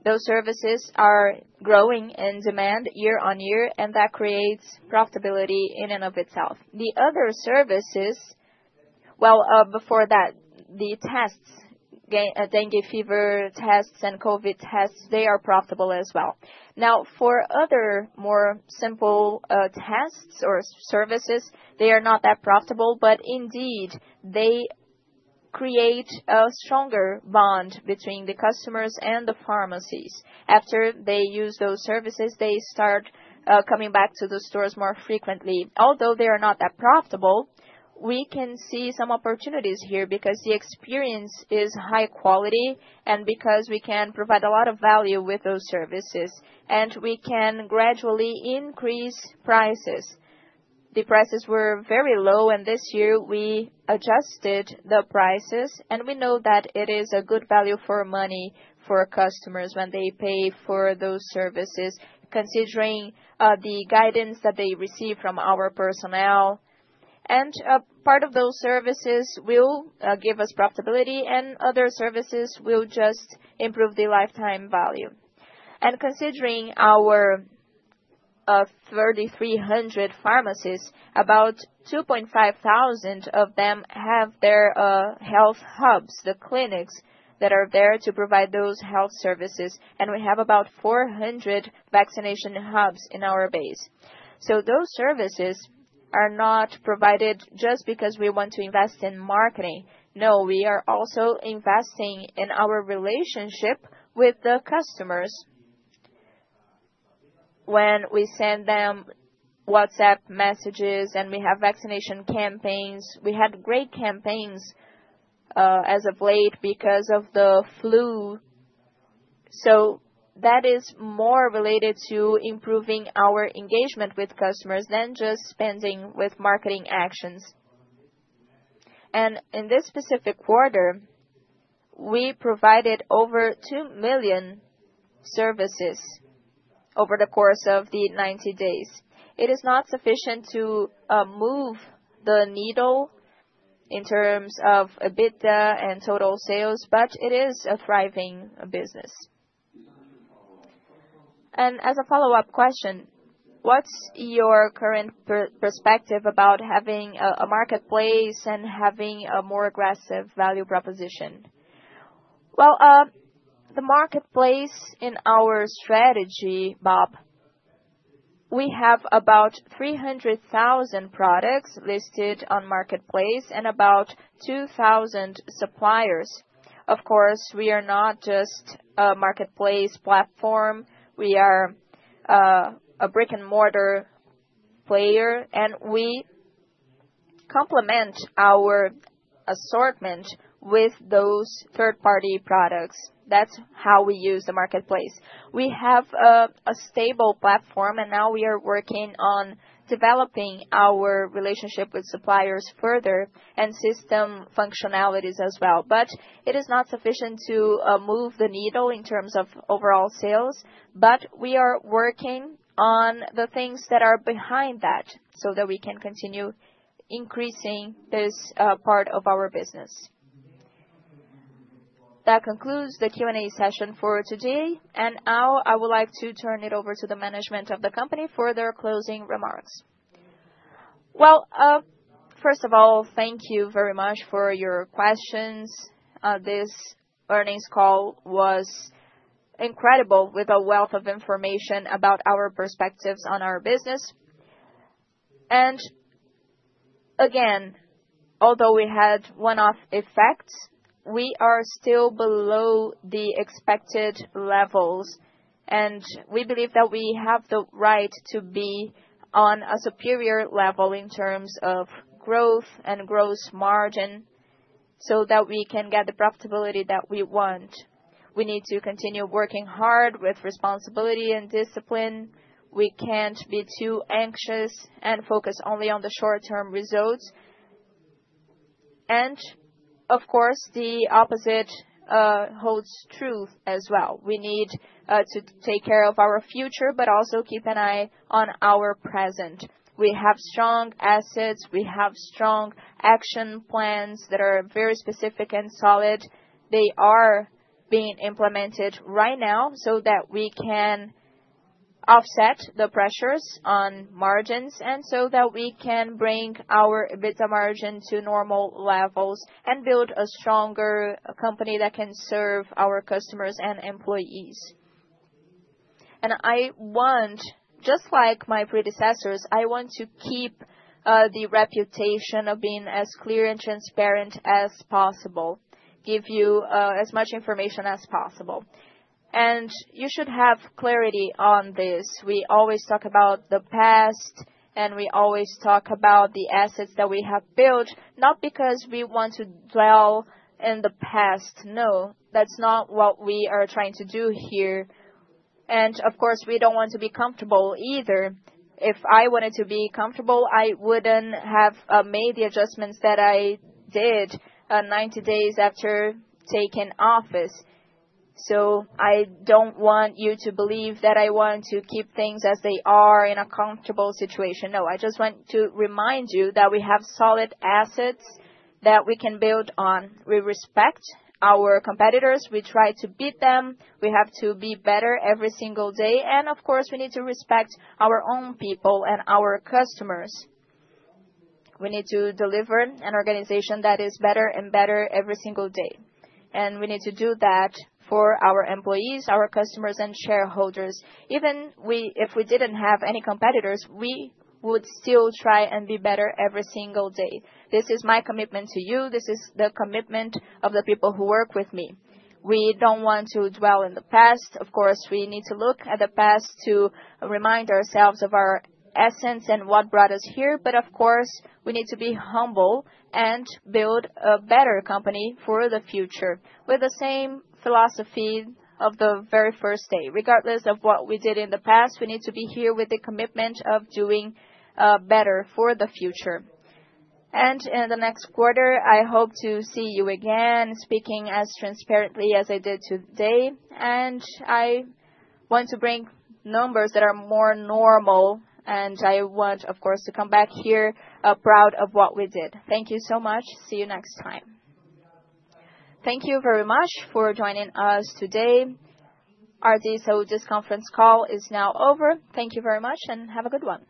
Those services are growing in demand year on year, and that creates profitability in and of itself. The other services, before that, the tests, dengue fever tests and COVID tests, they are profitable as well. Now, for other more simple tests or services, they are not that profitable, but indeed, they create a stronger bond between the customers and the pharmacies. After they use those services, they start coming back to the stores more frequently. Although they are not that profitable, we can see some opportunities here because the experience is high quality and because we can provide a lot of value with those services, and we can gradually increase prices. The prices were very low, and this year we adjusted the prices, and we know that it is a good value for money for customers when they pay for those services, considering the guidance that they receive from our personnel. Part of those services will give us profitability, and other services will just improve the lifetime value. Considering our 3,300 pharmacies, about 2,500 of them have their health hubs, the clinics that are there to provide those health services, and we have about 400 vaccination hubs in our base. Those services are not provided just because we want to invest in marketing. No, we are also investing in our relationship with the customers when we send them WhatsApp messages, and we have vaccination campaigns. We had great campaigns as of late because of the flu. That is more related to improving our engagement with customers than just spending with marketing actions. In this specific quarter, we provided over 2 million services over the course of the 90 days. It is not sufficient to move the needle in terms of EBITDA and total sales, but it is a thriving business. As a follow-up question, what's your current perspective about having a marketplace and having a more aggressive value proposition? The marketplace in our strategy, Rob, we have about 300,000 products listed on marketplace and about 2,000 suppliers. Of course, we are not just a marketplace platform. We are a brick-and-mortar player, and we complement our assortment with those third-party products. That's how we use the marketplace. We have a stable platform, and now we are working on developing our relationship with suppliers further and system functionalities as well. It is not sufficient to move the needle in terms of overall sales, but we are working on the things that are behind that so that we can continue increasing this part of our business. That concludes the Q&A session for today. I would like to turn it over to the management of the company for their closing remarks. First of all, thank you very much for your questions. This earnings call was incredible with a wealth of information about our perspectives on our business. Again, although we had one-off effects, we are still below the expected levels, and we believe that we have the right to be on a superior level in terms of growth and gross margin so that we can get the profitability that we want. We need to continue working hard with responsibility and discipline. We can't be too anxious and focus only on the short-term results. Of course, the opposite holds true as well. We need to take care of our future, but also keep an eye on our present. We have strong assets. We have strong action plans that are very specific and solid. They are being implemented right now so that we can offset the pressures on margins and so that we can bring our EBITDA margin to normal levels and build a stronger company that can serve our customers and employees. I want, just like my predecessors, I want to keep the reputation of being as clear and transparent as possible, give you as much information as possible. You should have clarity on this. We always talk about the past, and we always talk about the assets that we have built, not because we want to dwell in the past. No, that is not what we are trying to do here. Of course, we do not want to be comfortable either. If I wanted to be comfortable, I would not have made the adjustments that I did 90 days after taking office. I do not want you to believe that I want to keep things as they are in a comfortable situation. No, I just want to remind you that we have solid assets that we can build on. We respect our competitors. We try to beat them. We have to be better every single day. Of course, we need to respect our own people and our customers. We need to deliver an organization that is better and better every single day. We need to do that for our employees, our customers, and shareholders. Even if we did not have any competitors, we would still try and be better every single day. This is my commitment to you. This is the commitment of the people who work with me. We do not want to dwell in the past. Of course, we need to look at the past to remind ourselves of our essence and what brought us here. Of course, we need to be humble and build a better company for the future with the same philosophy of the very first day. Regardless of what we did in the past, we need to be here with the commitment of doing better for the future. In the next quarter, I hope to see you again speaking as transparently as I did today. I want to bring numbers that are more normal. I want, of course, to come back here proud of what we did. Thank you so much. See you next time. Thank you very much for joining us today. Our DSO just conference call is now over. Thank you very much and have a good one.